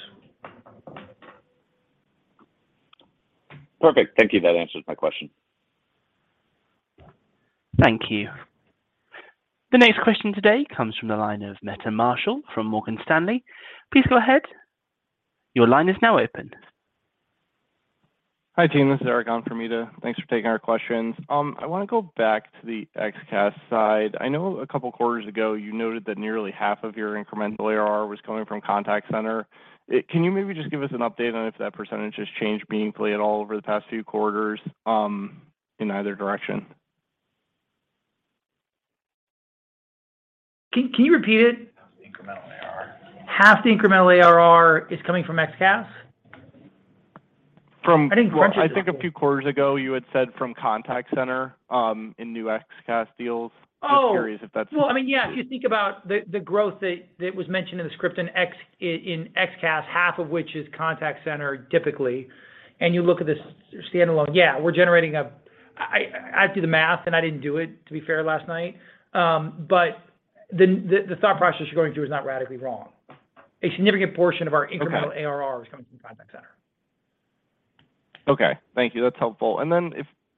Perfect. Thank you. That answers my question. Thank you. The next question today comes from the line of Meta Marshall from Morgan Stanley. Please go ahead. Your line is now open. Hi team, this is Erik on for Meta. Thanks for taking our questions. I wanna go back to the XCaaS side. I know a couple quarters ago you noted that nearly half of your incremental ARR was coming from contact center. Can you maybe just give us an update on if that percentage has changed meaningfully at all over the past few quarters, in either direction? Can you repeat it? Half the incremental ARR. Half the incremental ARR is coming from XCaaS? From- I didn't crunch the numbers. I think a few quarters ago you had said from contact center in new XCaaS deals. Oh. Just curious if that's Well, I mean, yeah. If you think about the growth that was mentioned in the script in X in XCaaS, half of which is contact center typically, and you look at this standalone, yeah, we're generating a. I'd do the math, and I didn't do it, to be fair, last night. The thought process you're going through is not radically wrong. A significant portion of our incremental- Okay ARR is coming from contact center. Okay. Thank you. That's helpful.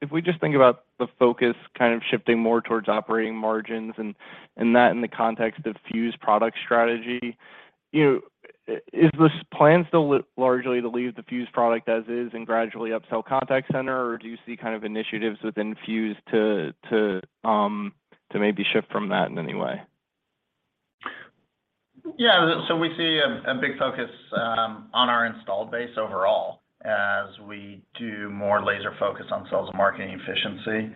If we just think about the focus kind of shifting more towards operating margins and that in the context of Fuze product strategy, you know. Is this plan still largely to leave the Fuze product as is and gradually upsell contact center? Or do you see kind of initiatives within Fuze to maybe shift from that in any way? Yeah. We see a big focus on our installed base overall as we do more laser focus on sales and marketing efficiency.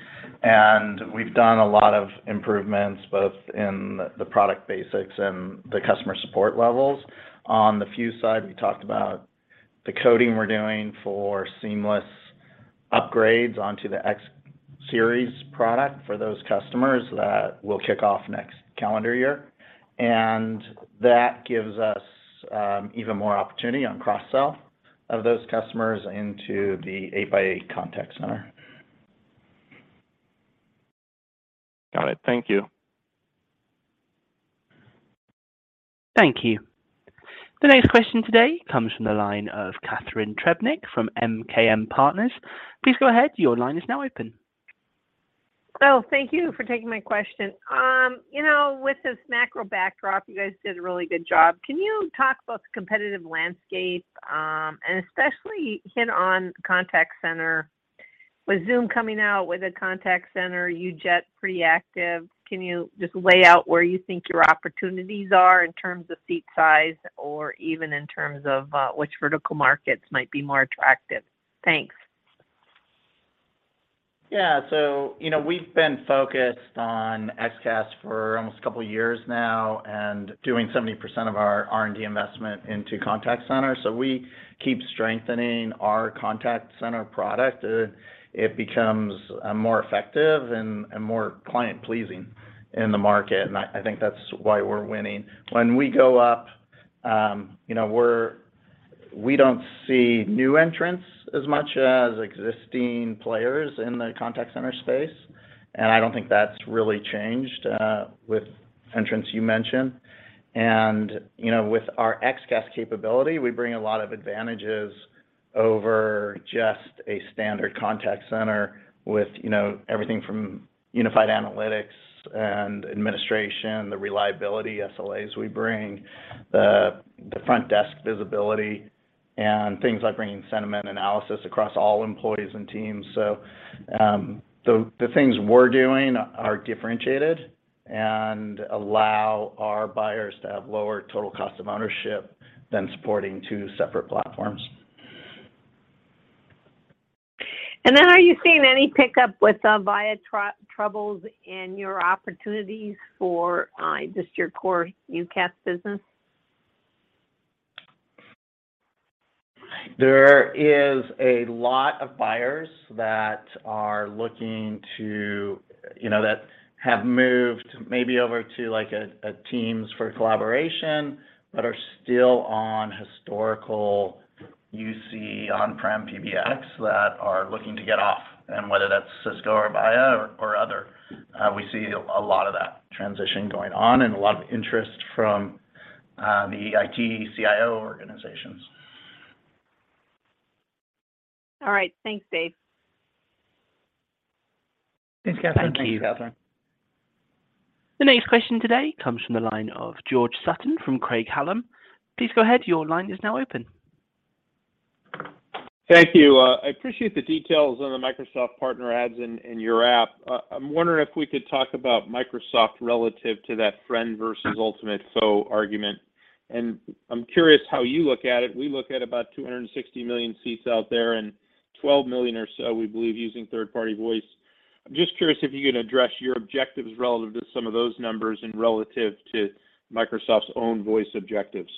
We've done a lot of improvements both in the product basics and the customer support levels. On the Fuze side, we talked about the coding we're doing for seamless upgrades onto the X Series product for those customers that will kick off next calendar year. That gives us even more opportunity on cross-sell of those customers into the 8x8 contact center. Got it. Thank you. Thank you. The next question today comes from the line of Catharine Trebnick from MKM Partners. Please go ahead. Your line is now open. Oh, thank you for taking my question. You know, with this macro backdrop, you guys did a really good job. Can you talk about the competitive landscape, and especially hit on contact center? With Zoom coming out with a contact center, UJET pretty active, can you just lay out where you think your opportunities are in terms of seat size or even in terms of, which vertical markets might be more attractive? Thanks. Yeah. You know, we've been focused on XCaaS for almost a couple years now and doing 70% of our R&D investment into contact center, so we keep strengthening our contact center product. It becomes more effective and more client-pleasing in the market, and I think that's why we're winning. When we go up, you know, we don't see new entrants as much as existing players in the contact center space, and I don't think that's really changed with entrants you mentioned. You know, with our XCaaS capability, we bring a lot of advantages over just a standard contact center with everything from unified analytics and administration, the reliability SLAs we bring, the Frontdesk visibility, and things like bringing sentiment analysis across all employees and teams. The things we're doing are differentiated and allow our buyers to have lower total cost of ownership than supporting two separate platforms. Are you seeing any pickup with Avaya troubles in your opportunities for just your core UCaaS business? There is a lot of buyers that are looking to, you know, that have moved maybe over to, like, a Teams for collaboration but are still on historical UC on-prem PBX that are looking to get off, and whether that's Cisco or Avaya or other. We see a lot of that transition going on and a lot of interest from the IT/CIO organizations. All right. Thanks, Dave. Thanks, Catharine. Thank you. Thank you, Catharine. The next question today comes from the line of George Sutton from Craig-Hallum. Please go ahead. Your line is now open. Thank you. I appreciate the details on the Microsoft partner adds in your app. I'm wondering if we could talk about Microsoft relative to that friend versus ultimate foe argument. I'm curious how you look at it. We look at about 260 million seats out there and 12 million or so, we believe, using third-party voice. I'm just curious if you can address your objectives relative to some of those numbers and relative to Microsoft's own voice objectives.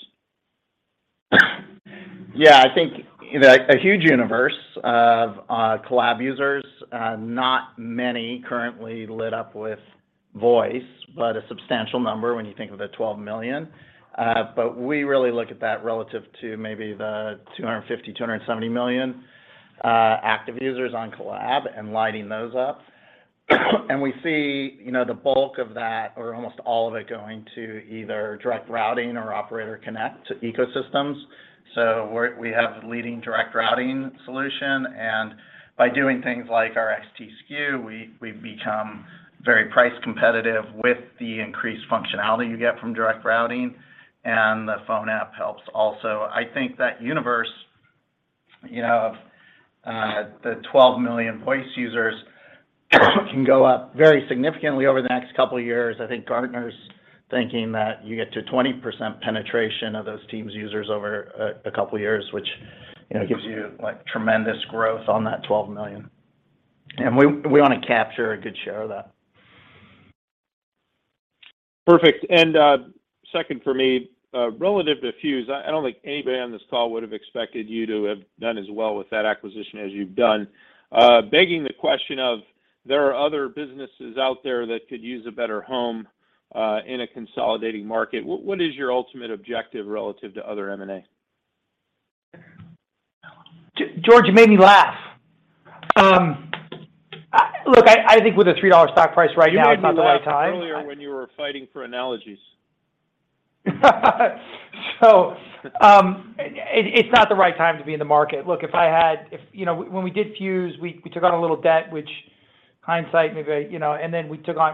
I think, you know, a huge universe of collab users, not many currently lit up with voice, but a substantial number when you think of the 12 million. But we really look at that relative to maybe the 250 million-270 million active users on Collab and lighting those up. We see, you know, the bulk of that or almost all of it going to either Direct Routing or Operator Connect ecosystems. We have the leading Direct Routing solution, and by doing things like our XT SKU, we've become very price competitive with the increased functionality you get from Direct Routing, and the phone app helps also. I think that universe, you know, of the 12 million voice users can go up very significantly over the next couple years. I think Gartner's thinking that you get to 20% penetration of those Teams users over a couple years, which, you know, gives you, like, tremendous growth on that 12 million. We wanna capture a good share of that. Perfect. Second for me, relative to Fuze, I don't think anybody on this call would have expected you to have done as well with that acquisition as you've done, begging the question of there are other businesses out there that could use a better home in a consolidating market. What is your ultimate objective relative to other M&A? George, you made me laugh. Look, I think with a $3 stock price right now, it's not the right time. You made me laugh earlier when you were fighting for analogies. It's not the right time to be in the market. Look, you know, when we did Fuze, we took on a little debt, which hindsight, maybe, you know.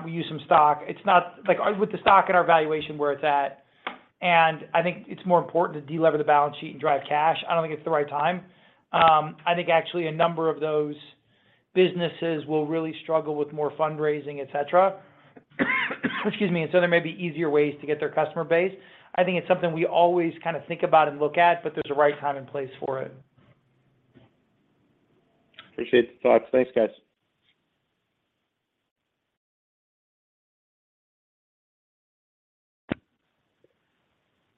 We used some stock. Like, with the stock and our valuation where it's at, and I think it's more important to delever the balance sheet and drive cash. I don't think it's the right time. I think a number of those businesses will really struggle with more fundraising, et cetera. Excuse me. There may be easier ways to get their customer base. I think it's something we always kinda think about and look at, but there's a right time and place for it. Appreciate the thoughts. Thanks, guys.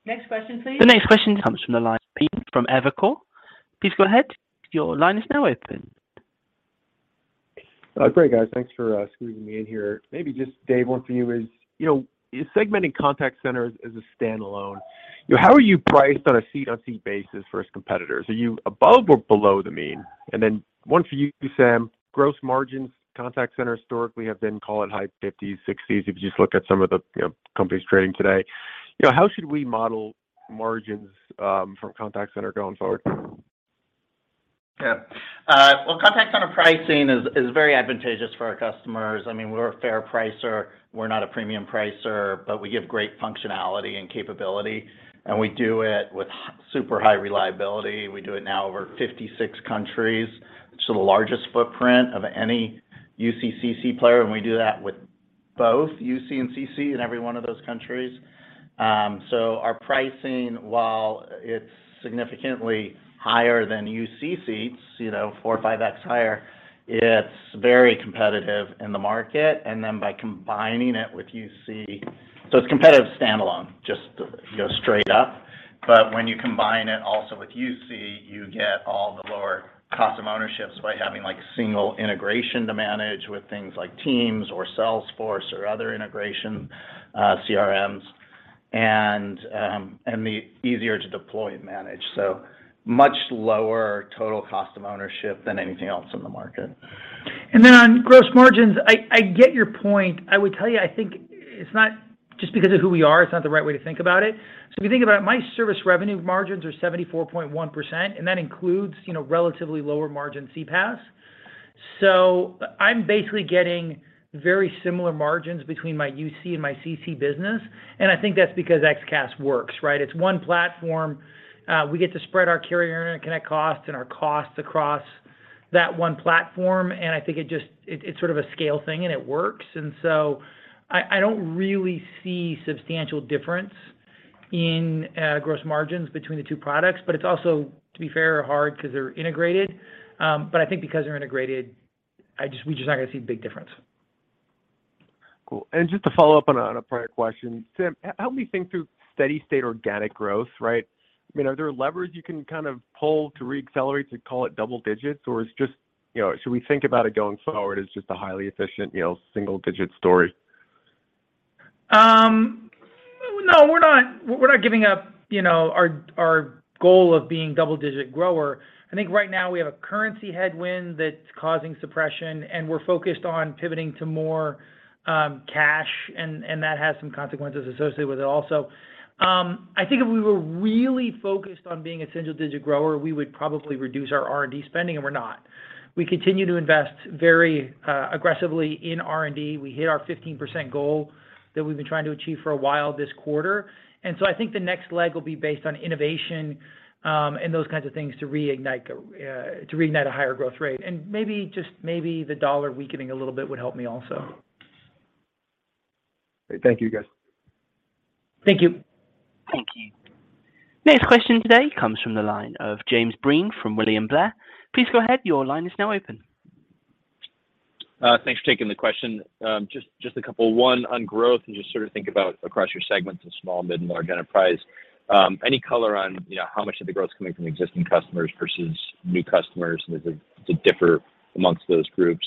Next question please. The next question comes from the line of Pete from Evercore. Please go ahead, your line is now open. Great guys. Thanks for squeezing me in here. Maybe just one for you, Dave, is, you know, you're segmenting contact centers as a standalone. You know, how are you priced on a CCaaS basis versus competitors? Are you above or below the mean? Then one for you, Sam. Gross margins, contact center historically have been call it high 50s%, 60s%, if you just look at some of the, you know, companies trading today. You know, how should we model margins from contact center going forward? Yeah. Well, contact center pricing is very advantageous for our customers. I mean, we're a fair pricer. We're not a premium pricer, but we give great functionality and capability, and we do it with super high reliability. We do it now over 56 countries, which is the largest footprint of any UC, CC player, and we do that with both UC and CC in every one of those countries. So our pricing, while it's significantly higher than UC, you know, 4x, 5x higher, it's very competitive in the market. Then by combining it with UC, it's competitive standalone just to, you know, straight up. When you combine it also with UC, you get all the lower cost of ownership by having like single integration to manage with things like Teams or Salesforce or other integration, CRMs and the easier to deploy and manage. Much lower total cost of ownership than anything else in the market. On gross margins, I get your point. I would tell you, I think it's not just because of who we are, it's not the right way to think about it. If you think about my service revenue margins are 74.1%, and that includes, you know, relatively lower margin CPaaS. I'm basically getting very similar margins between my UC and my CC business, and I think that's because XCaaS works, right? It's one platform. We get to spread our carrier interconnect costs and our costs across that one platform, and I think it just, it's sort of a scale thing and it works. I don't really see substantial difference in gross margins between the two products. But it's also, to be fair, hard 'cause they're integrated. I think because they're integrated, we're just not gonna see a big difference. Cool. Just to follow up on a prior question. Sam, help me think through steady state organic growth, right? I mean, are there levers you can kind of pull to re-accelerate to call it double digits? Or is it just, you know, should we think about it going forward as just a highly efficient, you know, single digit story? No, we're not giving up, you know, our goal of being double-digit grower. I think right now we have a currency headwind that's causing suppression, and we're focused on pivoting to more cash and that has some consequences associated with it also. I think if we were really focused on being a single-digit grower, we would probably reduce our R&D spending, and we're not. We continue to invest very aggressively in R&D. We hit our 15% goal that we've been trying to achieve for a while this quarter. I think the next leg will be based on innovation and those kinds of things to reignite a higher growth rate. Maybe, just maybe, the dollar weakening a little bit would help me also. Thank you guys. Thank you. Thank you. Next question today comes from the line of James Breen from William Blair. Please go ahead, your line is now open. Thanks for taking the question. Just a couple. One on growth and just sort of think about across your segments of small, mid, and large enterprise. Any color on, you know, how much of the growth is coming from existing customers versus new customers and does it differ amongst those groups?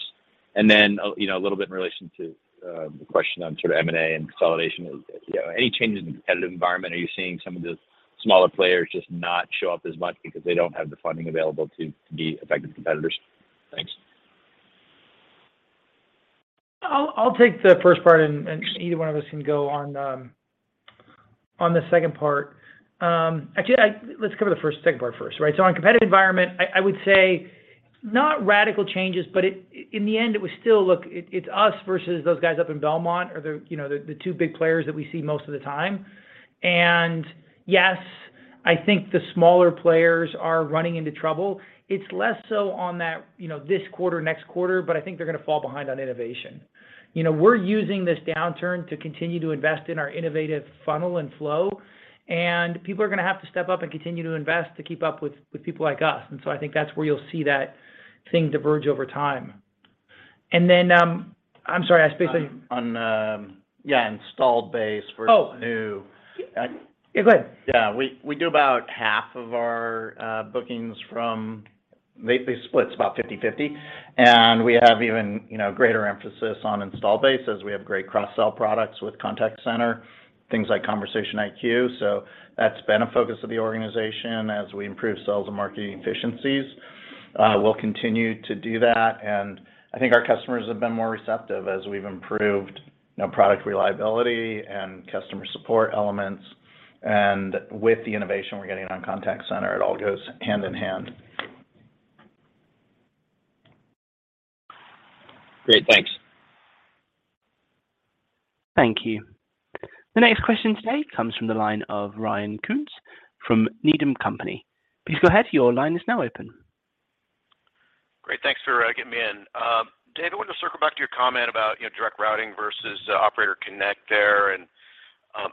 Then, you know, a little bit in relation to the question on sort of M&A and consolidation. You know, any changes in the competitive environment? Are you seeing some of the smaller players just not show up as much because they don't have the funding available to be effective competitors? Thanks. I'll take the first part and either one of us can go on the second part. Actually, let's cover the second part first, right? On competitive environment, I would say not radical changes, but in the end it was still, it's us versus those guys up in Belmont, you know, the two big players that we see most of the time. Yes, I think the smaller players are running into trouble. It's less so on that, you know, this quarter, next quarter, but I think they're gonna fall behind on innovation. You know, we're using this downturn to continue to invest in our innovative funnel and flow, and people are gonna have to step up and continue to invest to keep up with people like us. I think that's where you'll see that thing diverge over time. I'm sorry, I specifically Installed base versus- Oh new Yeah, go ahead. Yeah. We do about half of our bookings from, basically splits about 50/50. We have even, you know, greater emphasis on installed base as we have great cross-sell products with contact center, things like Conversation IQ. That's been a focus of the organization as we improve sales and marketing efficiencies. We'll continue to do that, and I think our customers have been more receptive as we've improved, you know, product reliability and customer support elements. With the innovation we're getting on contact center, it all goes hand in hand. Great. Thanks. Thank you. The next question today comes from the line of Ryan Koontz from Needham & Company. Please go ahead, your line is now open. Great. Thanks for getting me in. Dave, I wanted to circle back to your comment about, you know, Direct Routing versus Operator Connect there, and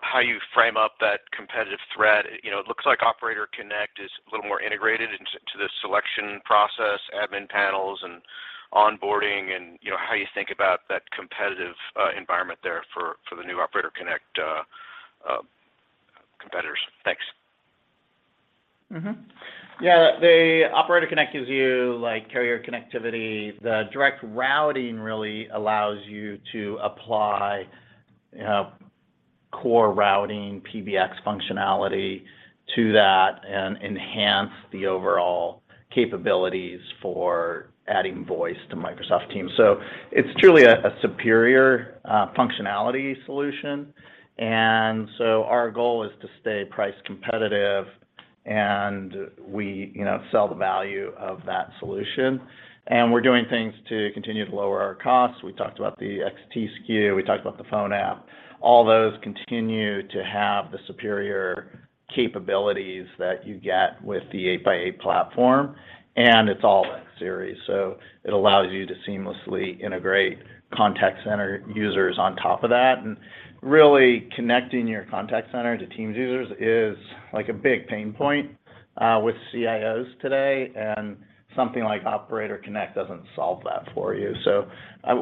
how you frame up that competitive threat. You know, it looks like Operator Connect is a little more integrated into the selection process, admin panels, and onboarding, and, you know, how you think about that competitive environment there for the new Operator Connect competitors. Thanks. Yeah. The Operator Connect gives you like carrier connectivity. The direct routing really allows you to apply core routing PBX functionality to that and enhance the overall capabilities for adding voice to Microsoft Teams. It's truly a superior functionality solution. Our goal is to stay price competitive, and we, you know, sell the value of that solution. We're doing things to continue to lower our costs. We talked about the XT SKU, we talked about the phone app. All those continue to have the superior capabilities that you get with the 8x8 platform, and it's all in X Series. It allows you to seamlessly integrate contact center users on top of that. Really connecting your contact center to Teams users is like a big pain point with CIOs today, and something like Operator Connect doesn't solve that for you.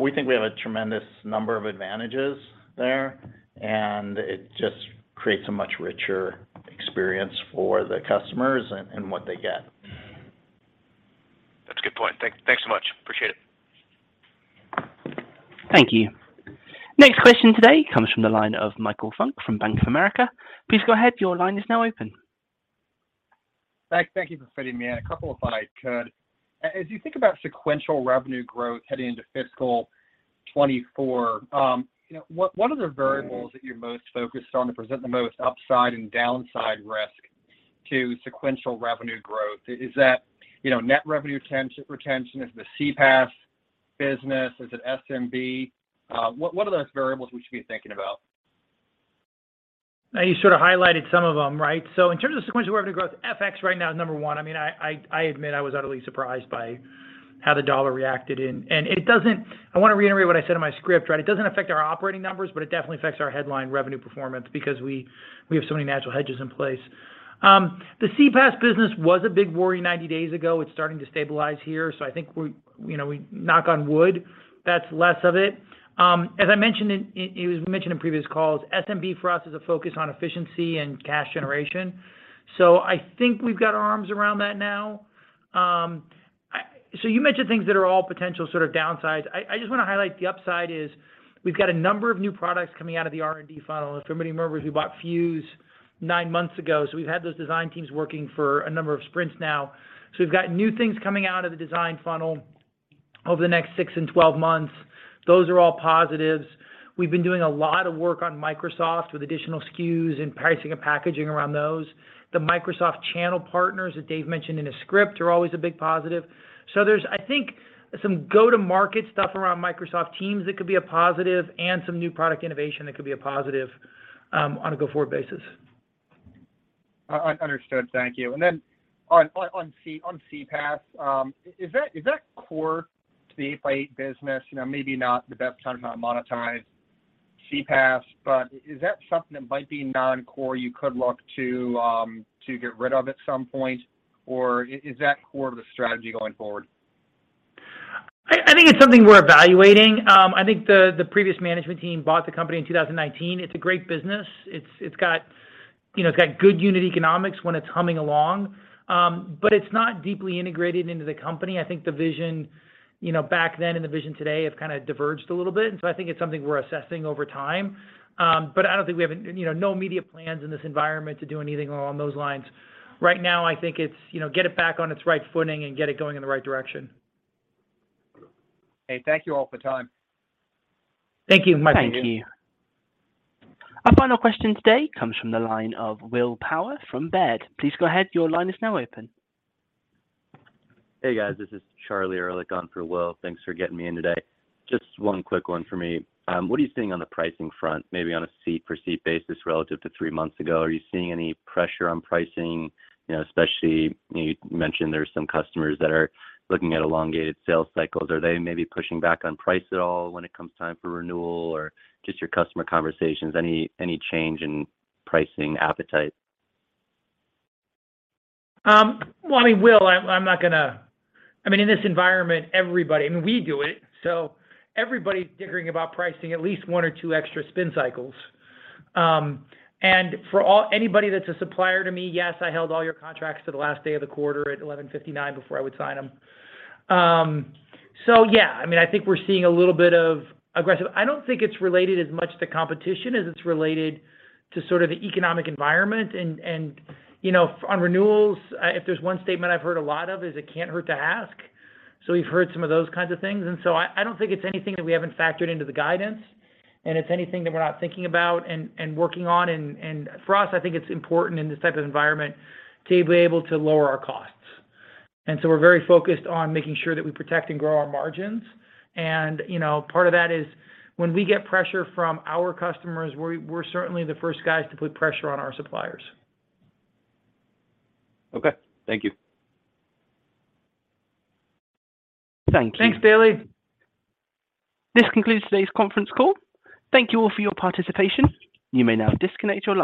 We think we have a tremendous number of advantages there, and it just creates a much richer experience for the customers and what they get. That's a good point. Thanks so much. Appreciate it. Thank you. Next question today comes from the line of Michael Funk from Bank of America. Please go ahead, your line is now open. Thank you for fitting me in. A couple if I could. As you think about sequential revenue growth heading into fiscal 2024, you know, what are the variables that you're most focused on to present the most upside and downside risk to sequential revenue growth? Is that, you know, net revenue retention? Is it the CPaaS business? Is it SMB? What are those variables we should be thinking about? Now you sort of highlighted some of them, right? In terms of sequential revenue growth, FX right now is number one. I mean, I admit I was utterly surprised by how the dollar reacted and it doesn't. I wanna reiterate what I said in my script, right? It doesn't affect our operating numbers, but it definitely affects our headline revenue performance because we have so many natural hedges in place. The CPaaS business was a big worry 90 days ago. It's starting to stabilize here, so I think we're you know, knock on wood, that's less of it. As I mentioned, it was mentioned in previous calls, SMB for us is a focus on efficiency and cash generation. I think we've got our arms around that now. You mentioned things that are all potential sort of downsides. I just want to highlight the upside is we've got a number of new products coming out of the R&D funnel. In fact, we bought Fuze nine months ago, so we've had those design teams working for a number of sprints now. We've got new things coming out of the design funnel over the next six and 12 months. Those are all positives. We've been doing a lot of work on Microsoft with additional SKUs and pricing and packaging around those. The Microsoft channel partners that Dave mentioned in his script are always a big positive. There's, I think, some go-to-market stuff around Microsoft Teams that could be a positive, and some new product innovation that could be a positive, on a go-forward basis. Understood. Thank you. Then on CPaaS, is that core to the 8x8 business? You know, maybe not the best time to monetize CPaaS, but is that something that might be non-core you could look to get rid of at some point? Or is that core to the strategy going forward? I think it's something we're evaluating. I think the previous management team bought the company in 2019. It's a great business. It's got, you know, good unit economics when it's humming along. It's not deeply integrated into the company. I think the vision, you know, back then and the vision today have kinda diverged a little bit. I think it's something we're assessing over time. I don't think we have. You know, no immediate plans in this environment to do anything along those lines. Right now, I think it's, you know, get it back on its right footing and get it going in the right direction. Okay. Thank you all for the time. Thank you, Michael. Thank you. Our final question today comes from the line of Will Power from Baird. Please go ahead, your line is now open. Hey, guys. This is Charlie Erlikh on for Will. Thanks for getting me in today. Just one quick one for me. What are you seeing on the pricing front, maybe on a seat for seat basis relative to three months ago? Are you seeing any pressure on pricing? You know, especially you mentioned there are some customers that are looking at elongated sales cycles. Are they maybe pushing back on price at all when it comes time for renewal? Or just your customer conversations, any change in pricing appetite? Well, I mean, Will, I'm not gonna. I mean, in this environment, everybody, I mean, we do it, so everybody's dickering about pricing at least one or two extra spin cycles. For anybody that's a supplier to me, yes, I held all your contracts to the last day of the quarter at 11:59 P.M. before I would sign them. Yeah, I mean, I think we're seeing a little bit of aggressive. I don't think it's related as much to competition as it's related to sort of the economic environment and you know, on renewals, if there's one statement I've heard a lot of is it can't hurt to ask. We've heard some of those kinds of things. I don't think it's anything that we haven't factored into the guidance and it's anything that we're not thinking about and working on. For us, I think it's important in this type of environment to be able to lower our costs. We're very focused on making sure that we protect and grow our margins. You know, part of that is when we get pressure from our customers, we're certainly the first guys to put pressure on our suppliers. Okay. Thank you. Thank you. Thanks, Bailey. This concludes today's conference call. Thank you all for your participation. You may now disconnect your line.